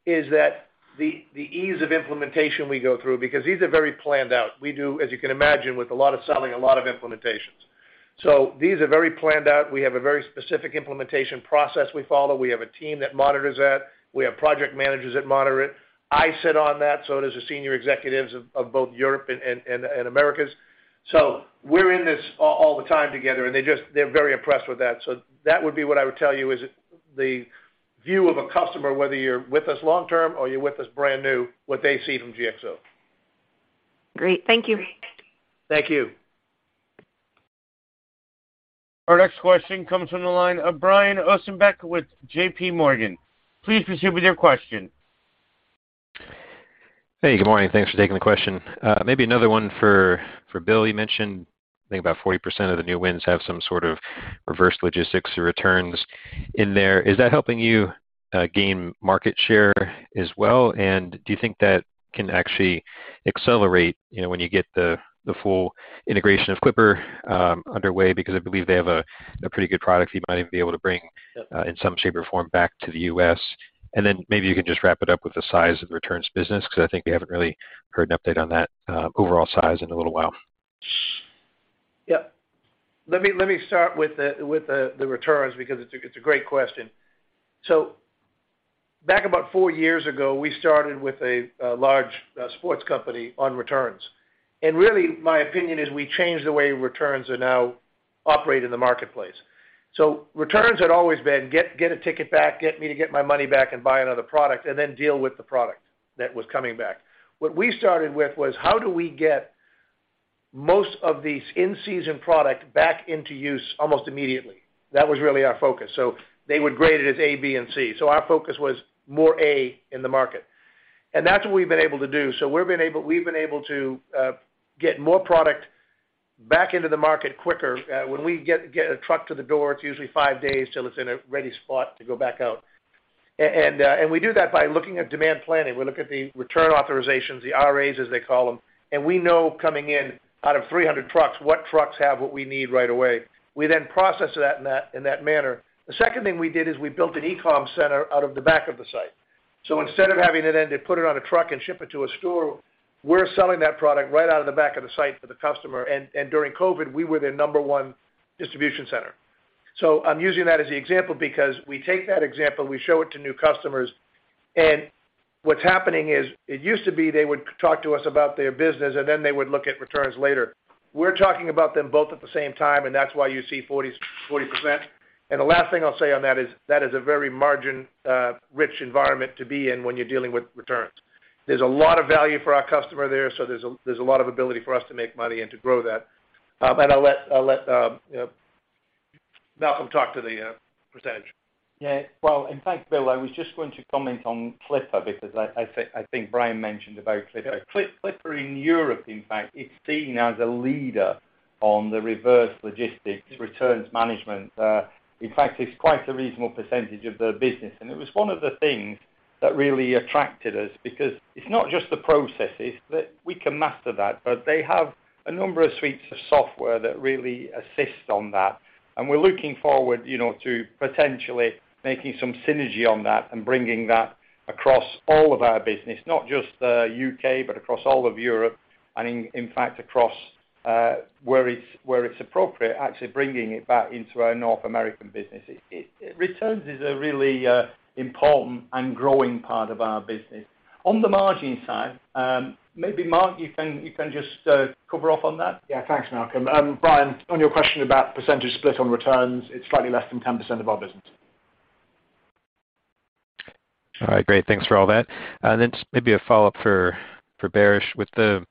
is that the ease of implementation we go through because these are very planned out. We do, as you can imagine, with a lot of selling, a lot of implementations. These are very planned out. We have a very specific implementation process we follow. We have a team that monitors that. We have project managers that moderate. I sit on that, so does the senior executives of both Europe and Americas. We're in this all the time together, and they just, they're very impressed with that. that would be what I would tell you is the view of a customer, whether you're with us long term or you're with us brand new, what they see from GXO. Great. Thank you. Thank you. Our next question comes from the line of Brian Ossenbeck with J.P. Morgan. Please proceed with your question. Hey, good morning. Thanks for taking the question. Maybe another one for Bill. You mentioned, I think about 40% of the new wins have some sort of reverse logistics or returns in there. Is that helping you gain market share as well? Do you think that can actually accelerate when you get the full integration of Clipper underway? Because I believe they have a pretty good product you might even be able to bring- Yep. in some shape or form back to the U.S. Then maybe you can just wrap it up with the size of returns business, because I think we haven't really heard an update on that, overall size in a little while. Yeah. Let me start with the returns because it's a great question. Back about four years ago, we started with a large sports company on returns. Really, my opinion is we changed the way returns are now operate in the marketplace. Returns had always been get a ticket back, get me to get my money back and buy another product, and then deal with the product that was coming back. What we started with was, how do we get most of these in-season product back into use almost immediately? That was really our focus. They would grade it as A, B, and C. Our focus was more A in the market. That's what we've been able to do. We've been able to get more product back into the market quicker. When we get a truck to the door, it's usually five days till it's in a ready spot to go back out. And we do that by looking at demand planning. We look at the return authorizations, the RA as they call them, and we know coming in out of 300 trucks, what trucks have what we need right away. We then process that in that manner. The second thing we did is we built an e-com center out of the back of the site. Instead of having it in, they put it on a truck and ship it to a store, we're selling that product right out of the back of the site for the customer. During COVID, we were their number one distribution center. I'm using that as the example because we take that example, we show it to new customers. What's happening is it used to be they would talk to us about their business and then they would look at returns later. We're talking about them both at the same time, and that's why you see 40%. The last thing I'll say on that is, that is a very margin rich environment to be in when you're dealing with returns. There's a lot of value for our customer there, so there's a lot of ability for us to make money and to grow that. I'll let Malcolm talk to the percentage. Yeah. Well, in fact, Bill, I was just going to comment on Clipper because I think Brian mentioned about Clipper. Clipper in Europe, in fact, is seen as a leader on the reverse logistics returns management. In fact, it's quite a reasonable percentage of their business. It was one of the things that really attracted us because it's not just the processes that we can master that, but they have a number of suites of software that really assist on that. We're looking forward, you know, to potentially making some synergy on that and bringing that across all of our business, not just the UK, but across all of Europe and in fact across where it's appropriate, actually bringing it back into our North American business. It returns is a really important and growing part of our business. On the margin side, maybe, Mark, you can just cover off on that. Yeah. Thanks, Malcolm. Brian, on your question about percentage split on returns, it's slightly less than 10% of our business. All right. Great. Thanks for all that. Just maybe a follow-up for Baris. With the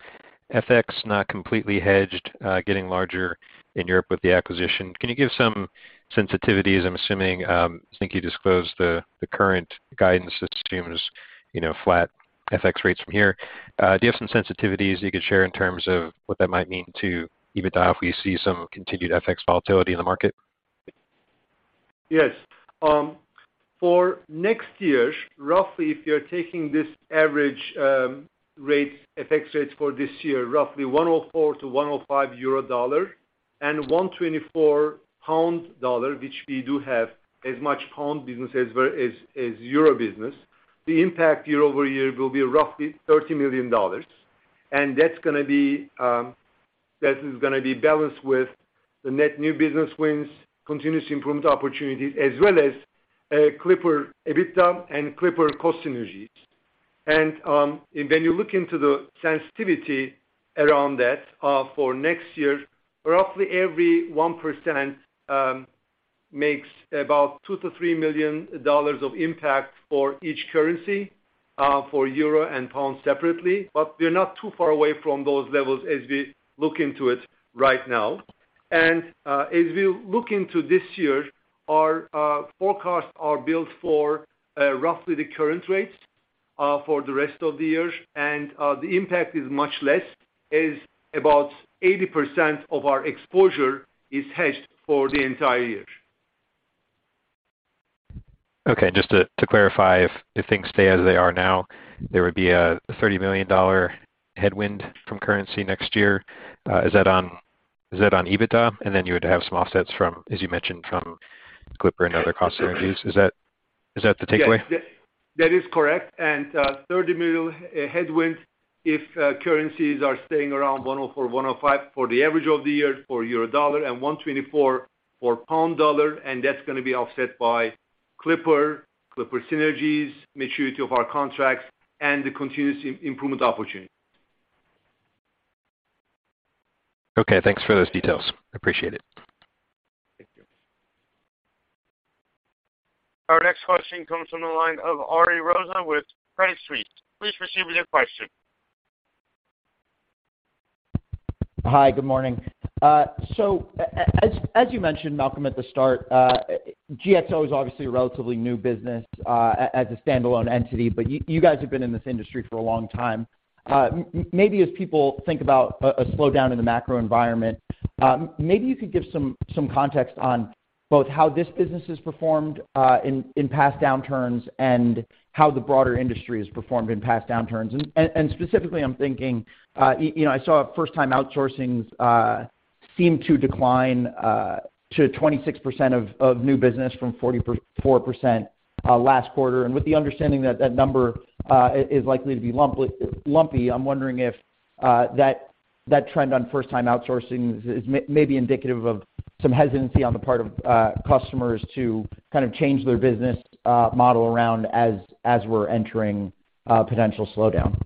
FX not completely hedged, getting larger in Europe with the acquisition, can you give some sensitivities? I'm assuming, I think you disclosed the current guidance assumes, you know, flat FX rates from here. Do you have some sensitivities you could share in terms of what that might mean to EBITDA if we see some continued FX volatility in the market? Yes. For next year, roughly, if you're taking this average rates, FX rates for this year, roughly 1.04 to 1.05 euro dollar and 1.24 pound dollar, which we do have as much pound business as euro business. The impact year-over-year will be roughly $30 million, and that's gonna be balanced with the net new business wins, continuous improvement opportunities, as well as Clipper EBITDA and Clipper cost synergies. When you look into the sensitivity around that for next year, roughly every 1% makes about $2 million-$3 million of impact for each currency, for euro and pound separately. But we're not too far away from those levels as we look into it right now. As we look into this year, our forecasts are built for roughly the current rates for the rest of the year. The impact is much less, as about 80% of our exposure is hedged for the entire year. Okay. Just to clarify, if things stay as they are now, there would be a $30 million headwind from currency next year. Is that on EBITDA? You would have some offsets from, as you mentioned, from Clipper and other cost synergies. Is that the takeaway? Yes. That is correct. $30 million headwind if currencies are staying around 1.04, 1.05 for the average of the year for euro dollar and 1.24 for pound dollar, and that's gonna be offset by Clipper synergies, maturity of our contracts, and the continuous improvement opportunities. Okay, thanks for those details. Appreciate it. Thank you. Our next question comes from the line of Ariel Rosa with Credit Suisse. Please proceed with your question. Hi, good morning. So as you mentioned, Malcolm, at the start, GXO is obviously a relatively new business as a standalone entity, but you guys have been in this industry for a long time. Maybe as people think about a slowdown in the macro environment, maybe you could give some context on both how this business has performed in past downturns and how the broader industry has performed in past downturns. Specifically, I'm thinking, you know, I saw first time outsourcing seem to decline to 26% of new business from 44% last quarter. With the understanding that that number is likely to be lumpy, I'm wondering if that trend on first-time outsourcing is maybe indicative of some hesitancy on the part of customers to kind of change their business model around as we're entering a potential slowdown.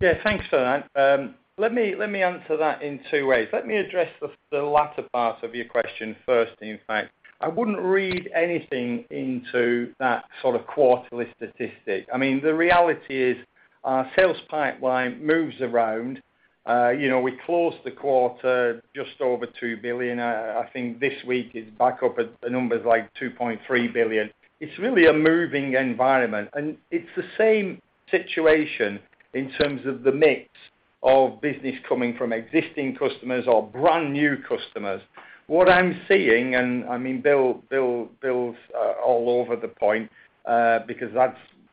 Yeah, thanks for that. Let me answer that in two ways. Let me address the latter part of your question first, in fact. I wouldn't read anything into that sort of quarterly statistic. I mean, the reality is our sales pipeline moves around. You know, we closed the quarter just over $2 billion. I think this week it's back up at numbers like $2.3 billion. It's really a moving environment, and it's the same situation in terms of the mix of business coming from existing customers or brand new customers. What I'm seeing, and I mean, Bill's all over the point, because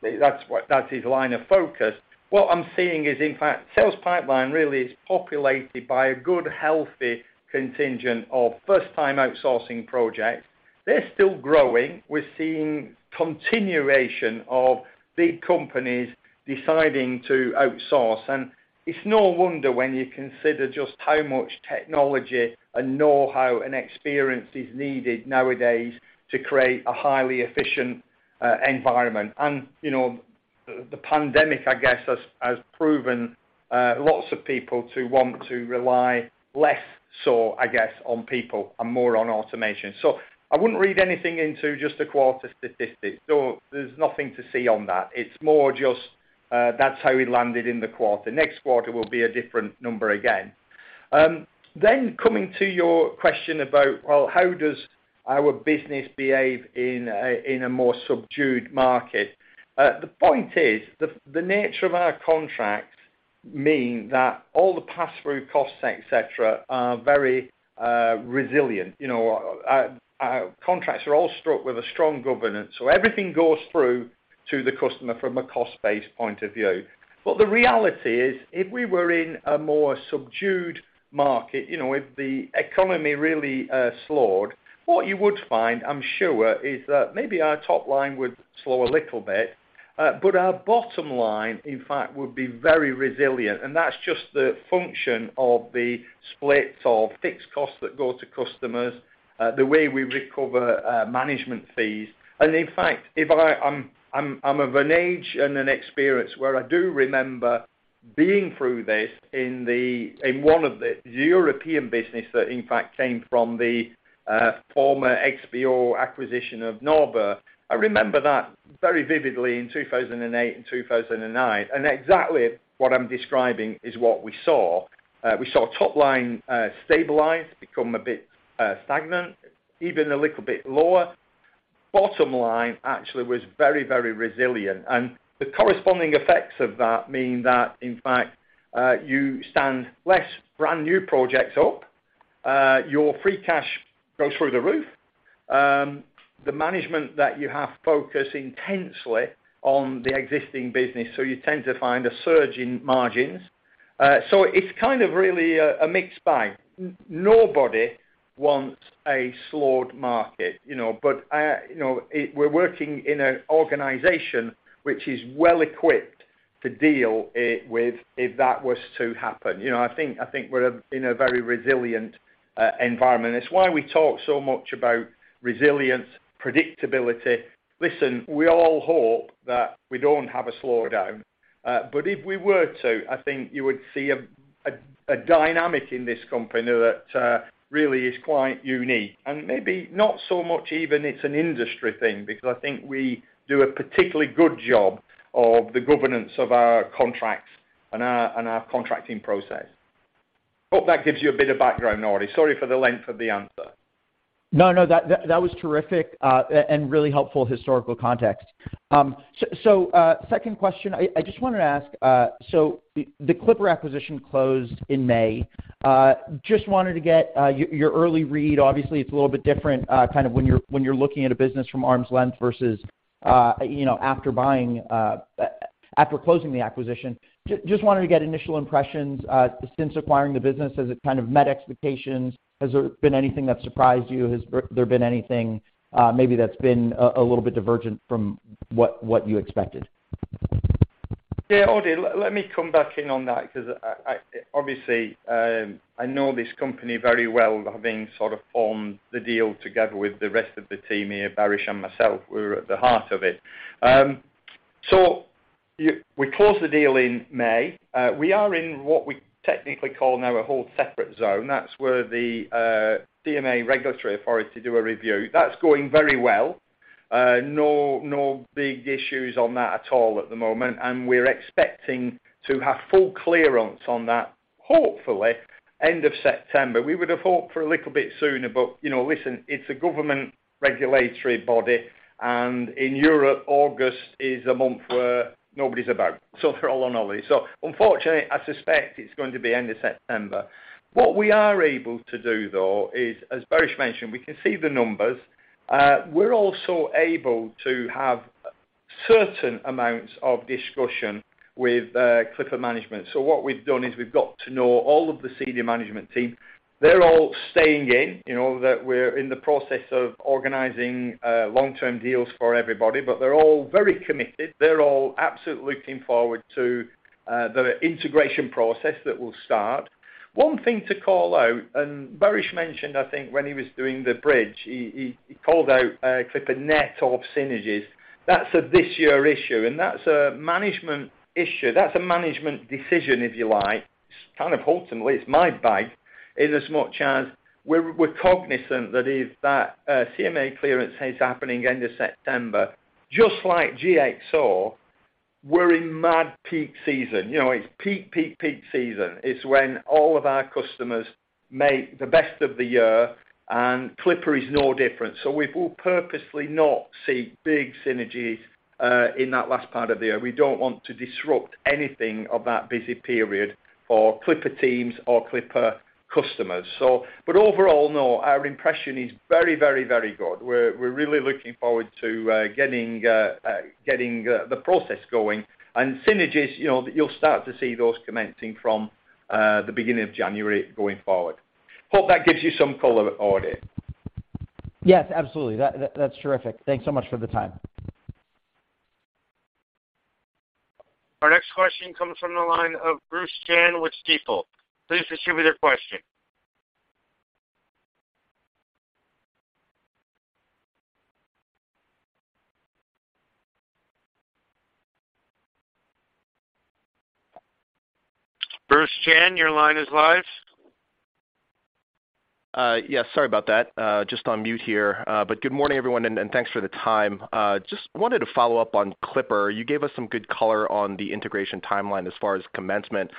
that's his line of focus. What I'm seeing is, in fact, sales pipeline really is populated by a good, healthy contingent of first-time outsourcing projects. They're still growing. We're seeing continuation of big companies deciding to outsource. It's no wonder when you consider just how much technology and know-how and experience is needed nowadays to create a highly efficient environment. The pandemic, I guess, has proven lots of people to want to rely less so, I guess, on people and more on automation. I wouldn't read anything into just a quarter statistic. There's nothing to see on that. It's more just that's how we landed in the quarter. Next quarter will be a different number again. Coming to your question about, well, how does our business behave in a more subdued market? The point is, the nature of our contracts mean that all the pass-through costs, et cetera, are very resilient. You know, our contracts are all struck with a strong governance, so everything goes through to the customer from a cost base point of view. But the reality is, if we were in a more subdued market, you know, if the economy really slowed, what you would find, I'm sure, is that maybe our top line would slow a little bit, but our bottom line, in fact, would be very resilient, and that's just the function of the split of fixed costs that go to customers, the way we recover management fees. In fact, if I'm of an age and an experience where I do remember being through this in one of the European business that in fact came from the former XPO acquisition of Norbert Dentressangle. I remember that very vividly in 2008 and 2009. Exactly what I'm describing is what we saw. We saw top line stabilize, become a bit stagnant, even a little bit lower. Bottom line actually was very, very resilient. The corresponding effects of that mean that in fact you stand less brand-new projects up your free cash goes through the roof. The management that you have focus intensely on the existing business, so you tend to find a surge in margins. So it's kind of really a mixed bag. Nobody wants a slowed market, you know, but you know, we're working in an organization which is well equipped to deal with if that was to happen. You know, I think we're in a very resilient environment. It's why we talk so much about resilience, predictability. Listen, we all hope that we don't have a slowdown, but if we were to, I think you would see a dynamic in this company that really is quite unique. Maybe not so much even it's an industry thing because I think we do a particularly good job of the governance of our contracts and our contracting process. Hope that gives you a bit of background, Ari Rosa. Sorry for the length of the answer. No, that was terrific and really helpful historical context. Second question, I just wanted to ask, so the Clipper acquisition closed in May. Just wanted to get your early read. Obviously, it's a little bit different, kind of when you're looking at a business from arm's length versus, you know, after buying, after closing the acquisition. Just wanted to get initial impressions since acquiring the business. Has it kind of met expectations? Has there been anything that surprised you? Has there been anything, maybe that's been a little bit divergent from what you expected? Yeah, Ari, let me come back in on that because I obviously know this company very well, having sort of formed the deal together with the rest of the team here. Baris and myself, we were at the heart of it. We closed the deal in May. We are in what we technically call now a hold separate. That's where the CMA regulatory authority do a review. That's going very well. No big issues on that at all at the moment. We're expecting to have full clearance on that, hopefully, end of September. We would have hoped for a little bit sooner, but you know, listen, it's a government regulatory body, and in Europe, August is a month where nobody's about. For all intents and purposes. Unfortunately, I suspect it's going to be end of September. What we are able to do, though, is, as Baris mentioned, we can see the numbers. We're also able to have certain amounts of discussion with Clipper management. What we've done is we've got to know all of the senior management team. They're all staying in, you know, that we're in the process of organizing long-term deals for everybody, but they're all very committed. They're all absolutely looking forward to the integration process that will start. One thing to call out, and Baris mentioned, I think when he was doing the bridge, he called out Clipper net of synergies. That's a this year issue, and that's a management issue. That's a management decision, if you like. It's kind of ultimately, it's my bag, is as much as we're cognizant that if that CMA clearance is happening end of September, just like GXO, we're in mad peak season. You know, it's peak season. It's when all of our customers make the best of the year, and Clipper is no different. We will purposely not see big synergies in that last part of the year. We don't want to disrupt anything of that busy period for Clipper teams or Clipper customers. Overall, no, our impression is very good. We're really looking forward to getting the process going. Synergies, you know, you'll start to see those commencing from the beginning of January going forward. Hope that gives you some color, Ari. Yes, absolutely. That's terrific. Thanks so much for the time. Our next question comes from the line of Bruce Chan with Stifel. Please proceed with your question. Bruce Chan, your line is live. Yeah, sorry about that. Just on mute here. Good morning everyone, and thanks for the time. Just wanted to follow up on Clipper. You gave us some good color on the integration timeline as far as commencement.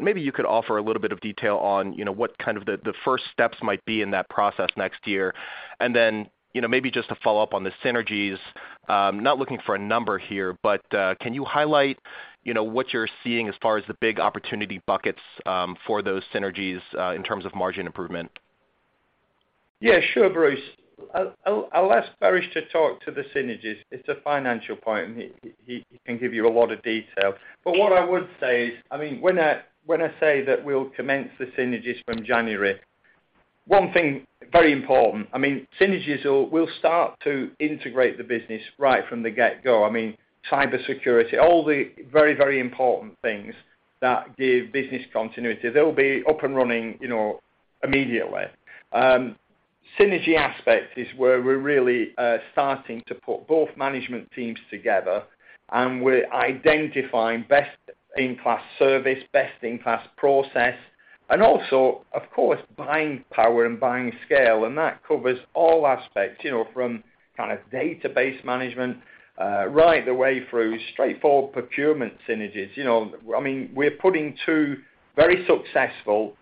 Maybe you could offer a little bit of detail on, you know, what kind of the first steps might be in that process next year. Then, you know, maybe just to follow up on the synergies, not looking for a number here, but, can you highlight, you know, what you're seeing as far as the big opportunity buckets, for those synergies, in terms of margin improvement? Yeah, sure, Bruce. I'll ask Baris to talk to the synergies. It's a financial point, and he can give you a lot of detail. What I would say is, I mean, when I say that we'll commence the synergies from January, one thing very important, I mean, we'll start to integrate the business right from the get-go. I mean, cybersecurity, all the very, very important things that give business continuity, they'll be up and running, you know, immediately. Synergy aspect is where we're really starting to put both management teams together, and we're identifying best-in-class service, best-in-class process, and also, of course, buying power and buying scale. That covers all aspects, you know, from kind of database management right the way through straightforward procurement synergies. You know, I mean, we're putting two very successful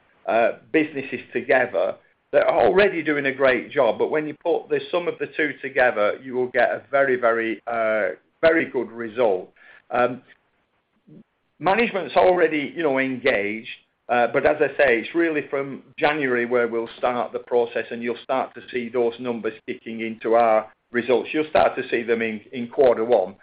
businesses together that are already doing a great job, but when you put the sum of the two together, you will get a very good result. Management's already, you know, engaged, but as I say, it's really from January where we'll start the process, and you'll start to see those numbers kicking into our results. You'll start to see them in quarter one.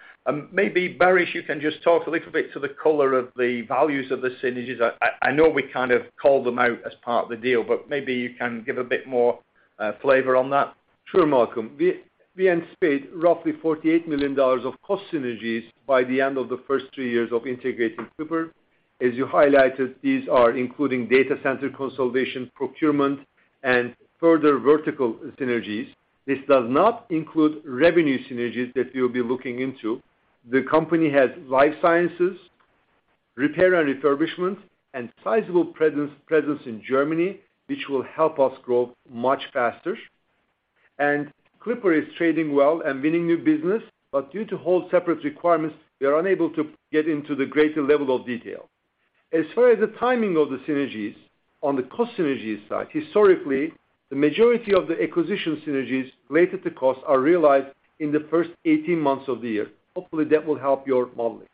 Maybe Baris, you can just talk a little bit to the color of the values of the synergies. I know we kind of called them out as part of the deal, but maybe you can give a bit more flavor on that. Sure, Malcolm. We anticipate roughly $48 million of cost synergies by the end of the first 2 years of integrating Clipper. As you highlighted, these are including data center consolidation, procurement, and further vertical synergies. This does not include revenue synergies that we'll be looking into. The company has life sciences, repair and refurbishment, and sizable presence in Germany, which will help us grow much faster. Clipper is trading well and winning new business, but due to hold separate requirements, we are unable to get into the greater level of detail. As far as the timing of the synergies, on the cost synergies side, historically, the majority of the acquisition synergies related to cost are realized in the first 18 months of the year. Hopefully, that will help your modeling.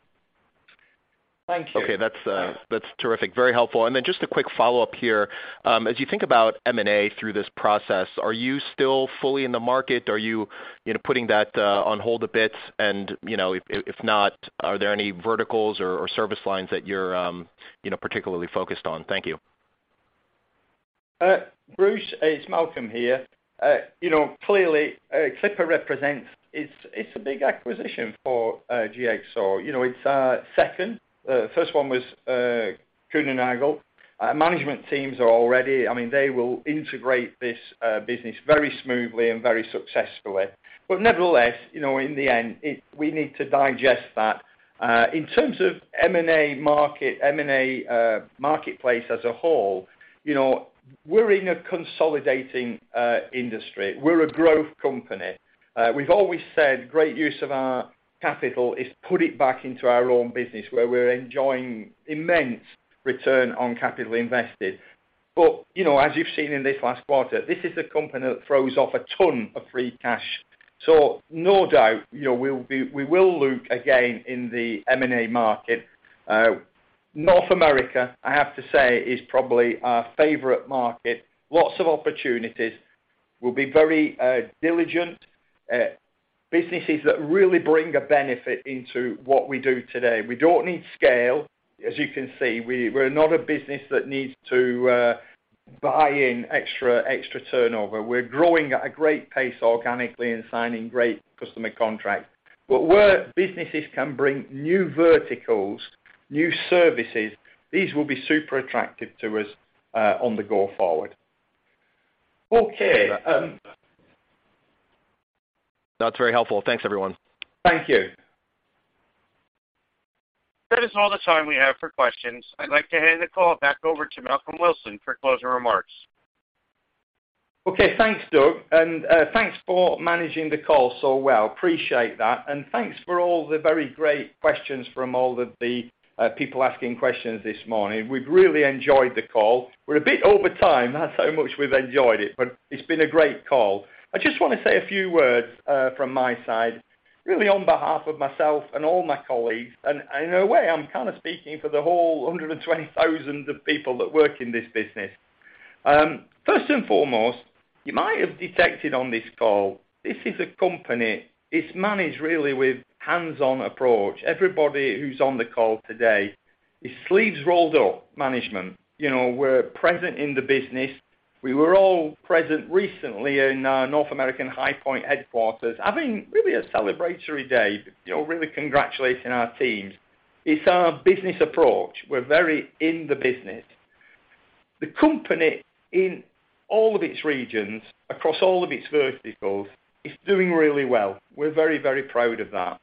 Thank you. Okay, that's terrific. Very helpful. Just a quick follow-up here. As you think about M&A through this process, are you still fully in the market? Are you know, putting that on hold a bit? If not, are there any verticals or service lines that you're, you know, particularly focused on? Thank you. Bruce, it's Malcolm here. You know, clearly, Clipper represents—it's a big acquisition for GXO. You know, it's our second. First one was Kuehne+Nagel. Our management teams are already. I mean, they will integrate this business very smoothly and very successfully. Nevertheless, you know, in the end, we need to digest that. In terms of M&A market, M&A marketplace as a whole, you know, we're in a consolidating industry. We're a growth company. We've always said great use of our capital is put it back into our own business where we're enjoying immense return on capital invested. You know, as you've seen in this last quarter, this is a company that throws off a ton of free cash. No doubt, you know, we will look again in the M&A market. North America, I have to say, is probably our favorite market. Lots of opportunities. We'll be very diligent. Businesses that really bring a benefit into what we do today. We don't need scale, as you can see. We're not a business that needs to buy in extra turnover. We're growing at a great pace organically and signing great customer contracts. Where businesses can bring new verticals, new services, these will be super attractive to us on the go forward. Okay, That's very helpful. Thanks, everyone. Thank you. That is all the time we have for questions. I'd like to hand the call back over to Malcolm Wilson for closing remarks. Okay, thanks, Doug, and thanks for managing the call so well. Appreciate that. Thanks for all the very great questions from all of the people asking questions this morning. We've really enjoyed the call. We're a bit over time. That's how much we've enjoyed it, but it's been a great call. I just wanna say a few words from my side, really on behalf of myself and all my colleagues, and in a way, I'm kind of speaking for the whole 120,000 people that work in this business. First and foremost, you might have detected on this call, this is a company, it's managed really with hands-on approach. Everybody who's on the call today is sleeves rolled up management. You know, we're present in the business. We were all present recently in North American High Point headquarters, having really a celebratory day, you know, really congratulating our teams. It's our business approach. We're very in the business. The company in all of its regions across all of its verticals is doing really well. We're very, very proud of that.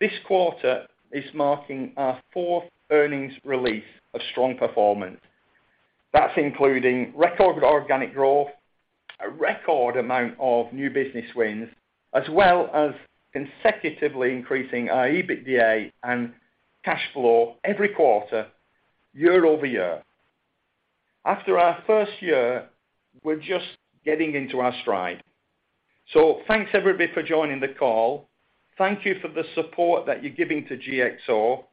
This quarter is marking our fourth earnings release of strong performance. That's including record organic growth, a record amount of new business wins, as well as consecutively increasing our EBITDA and cash flow every quarter year-over-year. After our first year, we're just getting into our stride. Thanks everybody for joining the call. Thank you for the support that you're giving to GXO.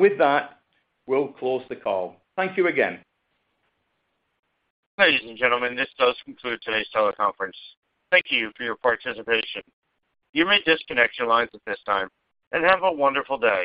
With that, we'll close the call. Thank you again. Ladies and gentlemen, this does conclude today's teleconference. Thank you for your participation. You may disconnect your lines at this time, and have a wonderful day.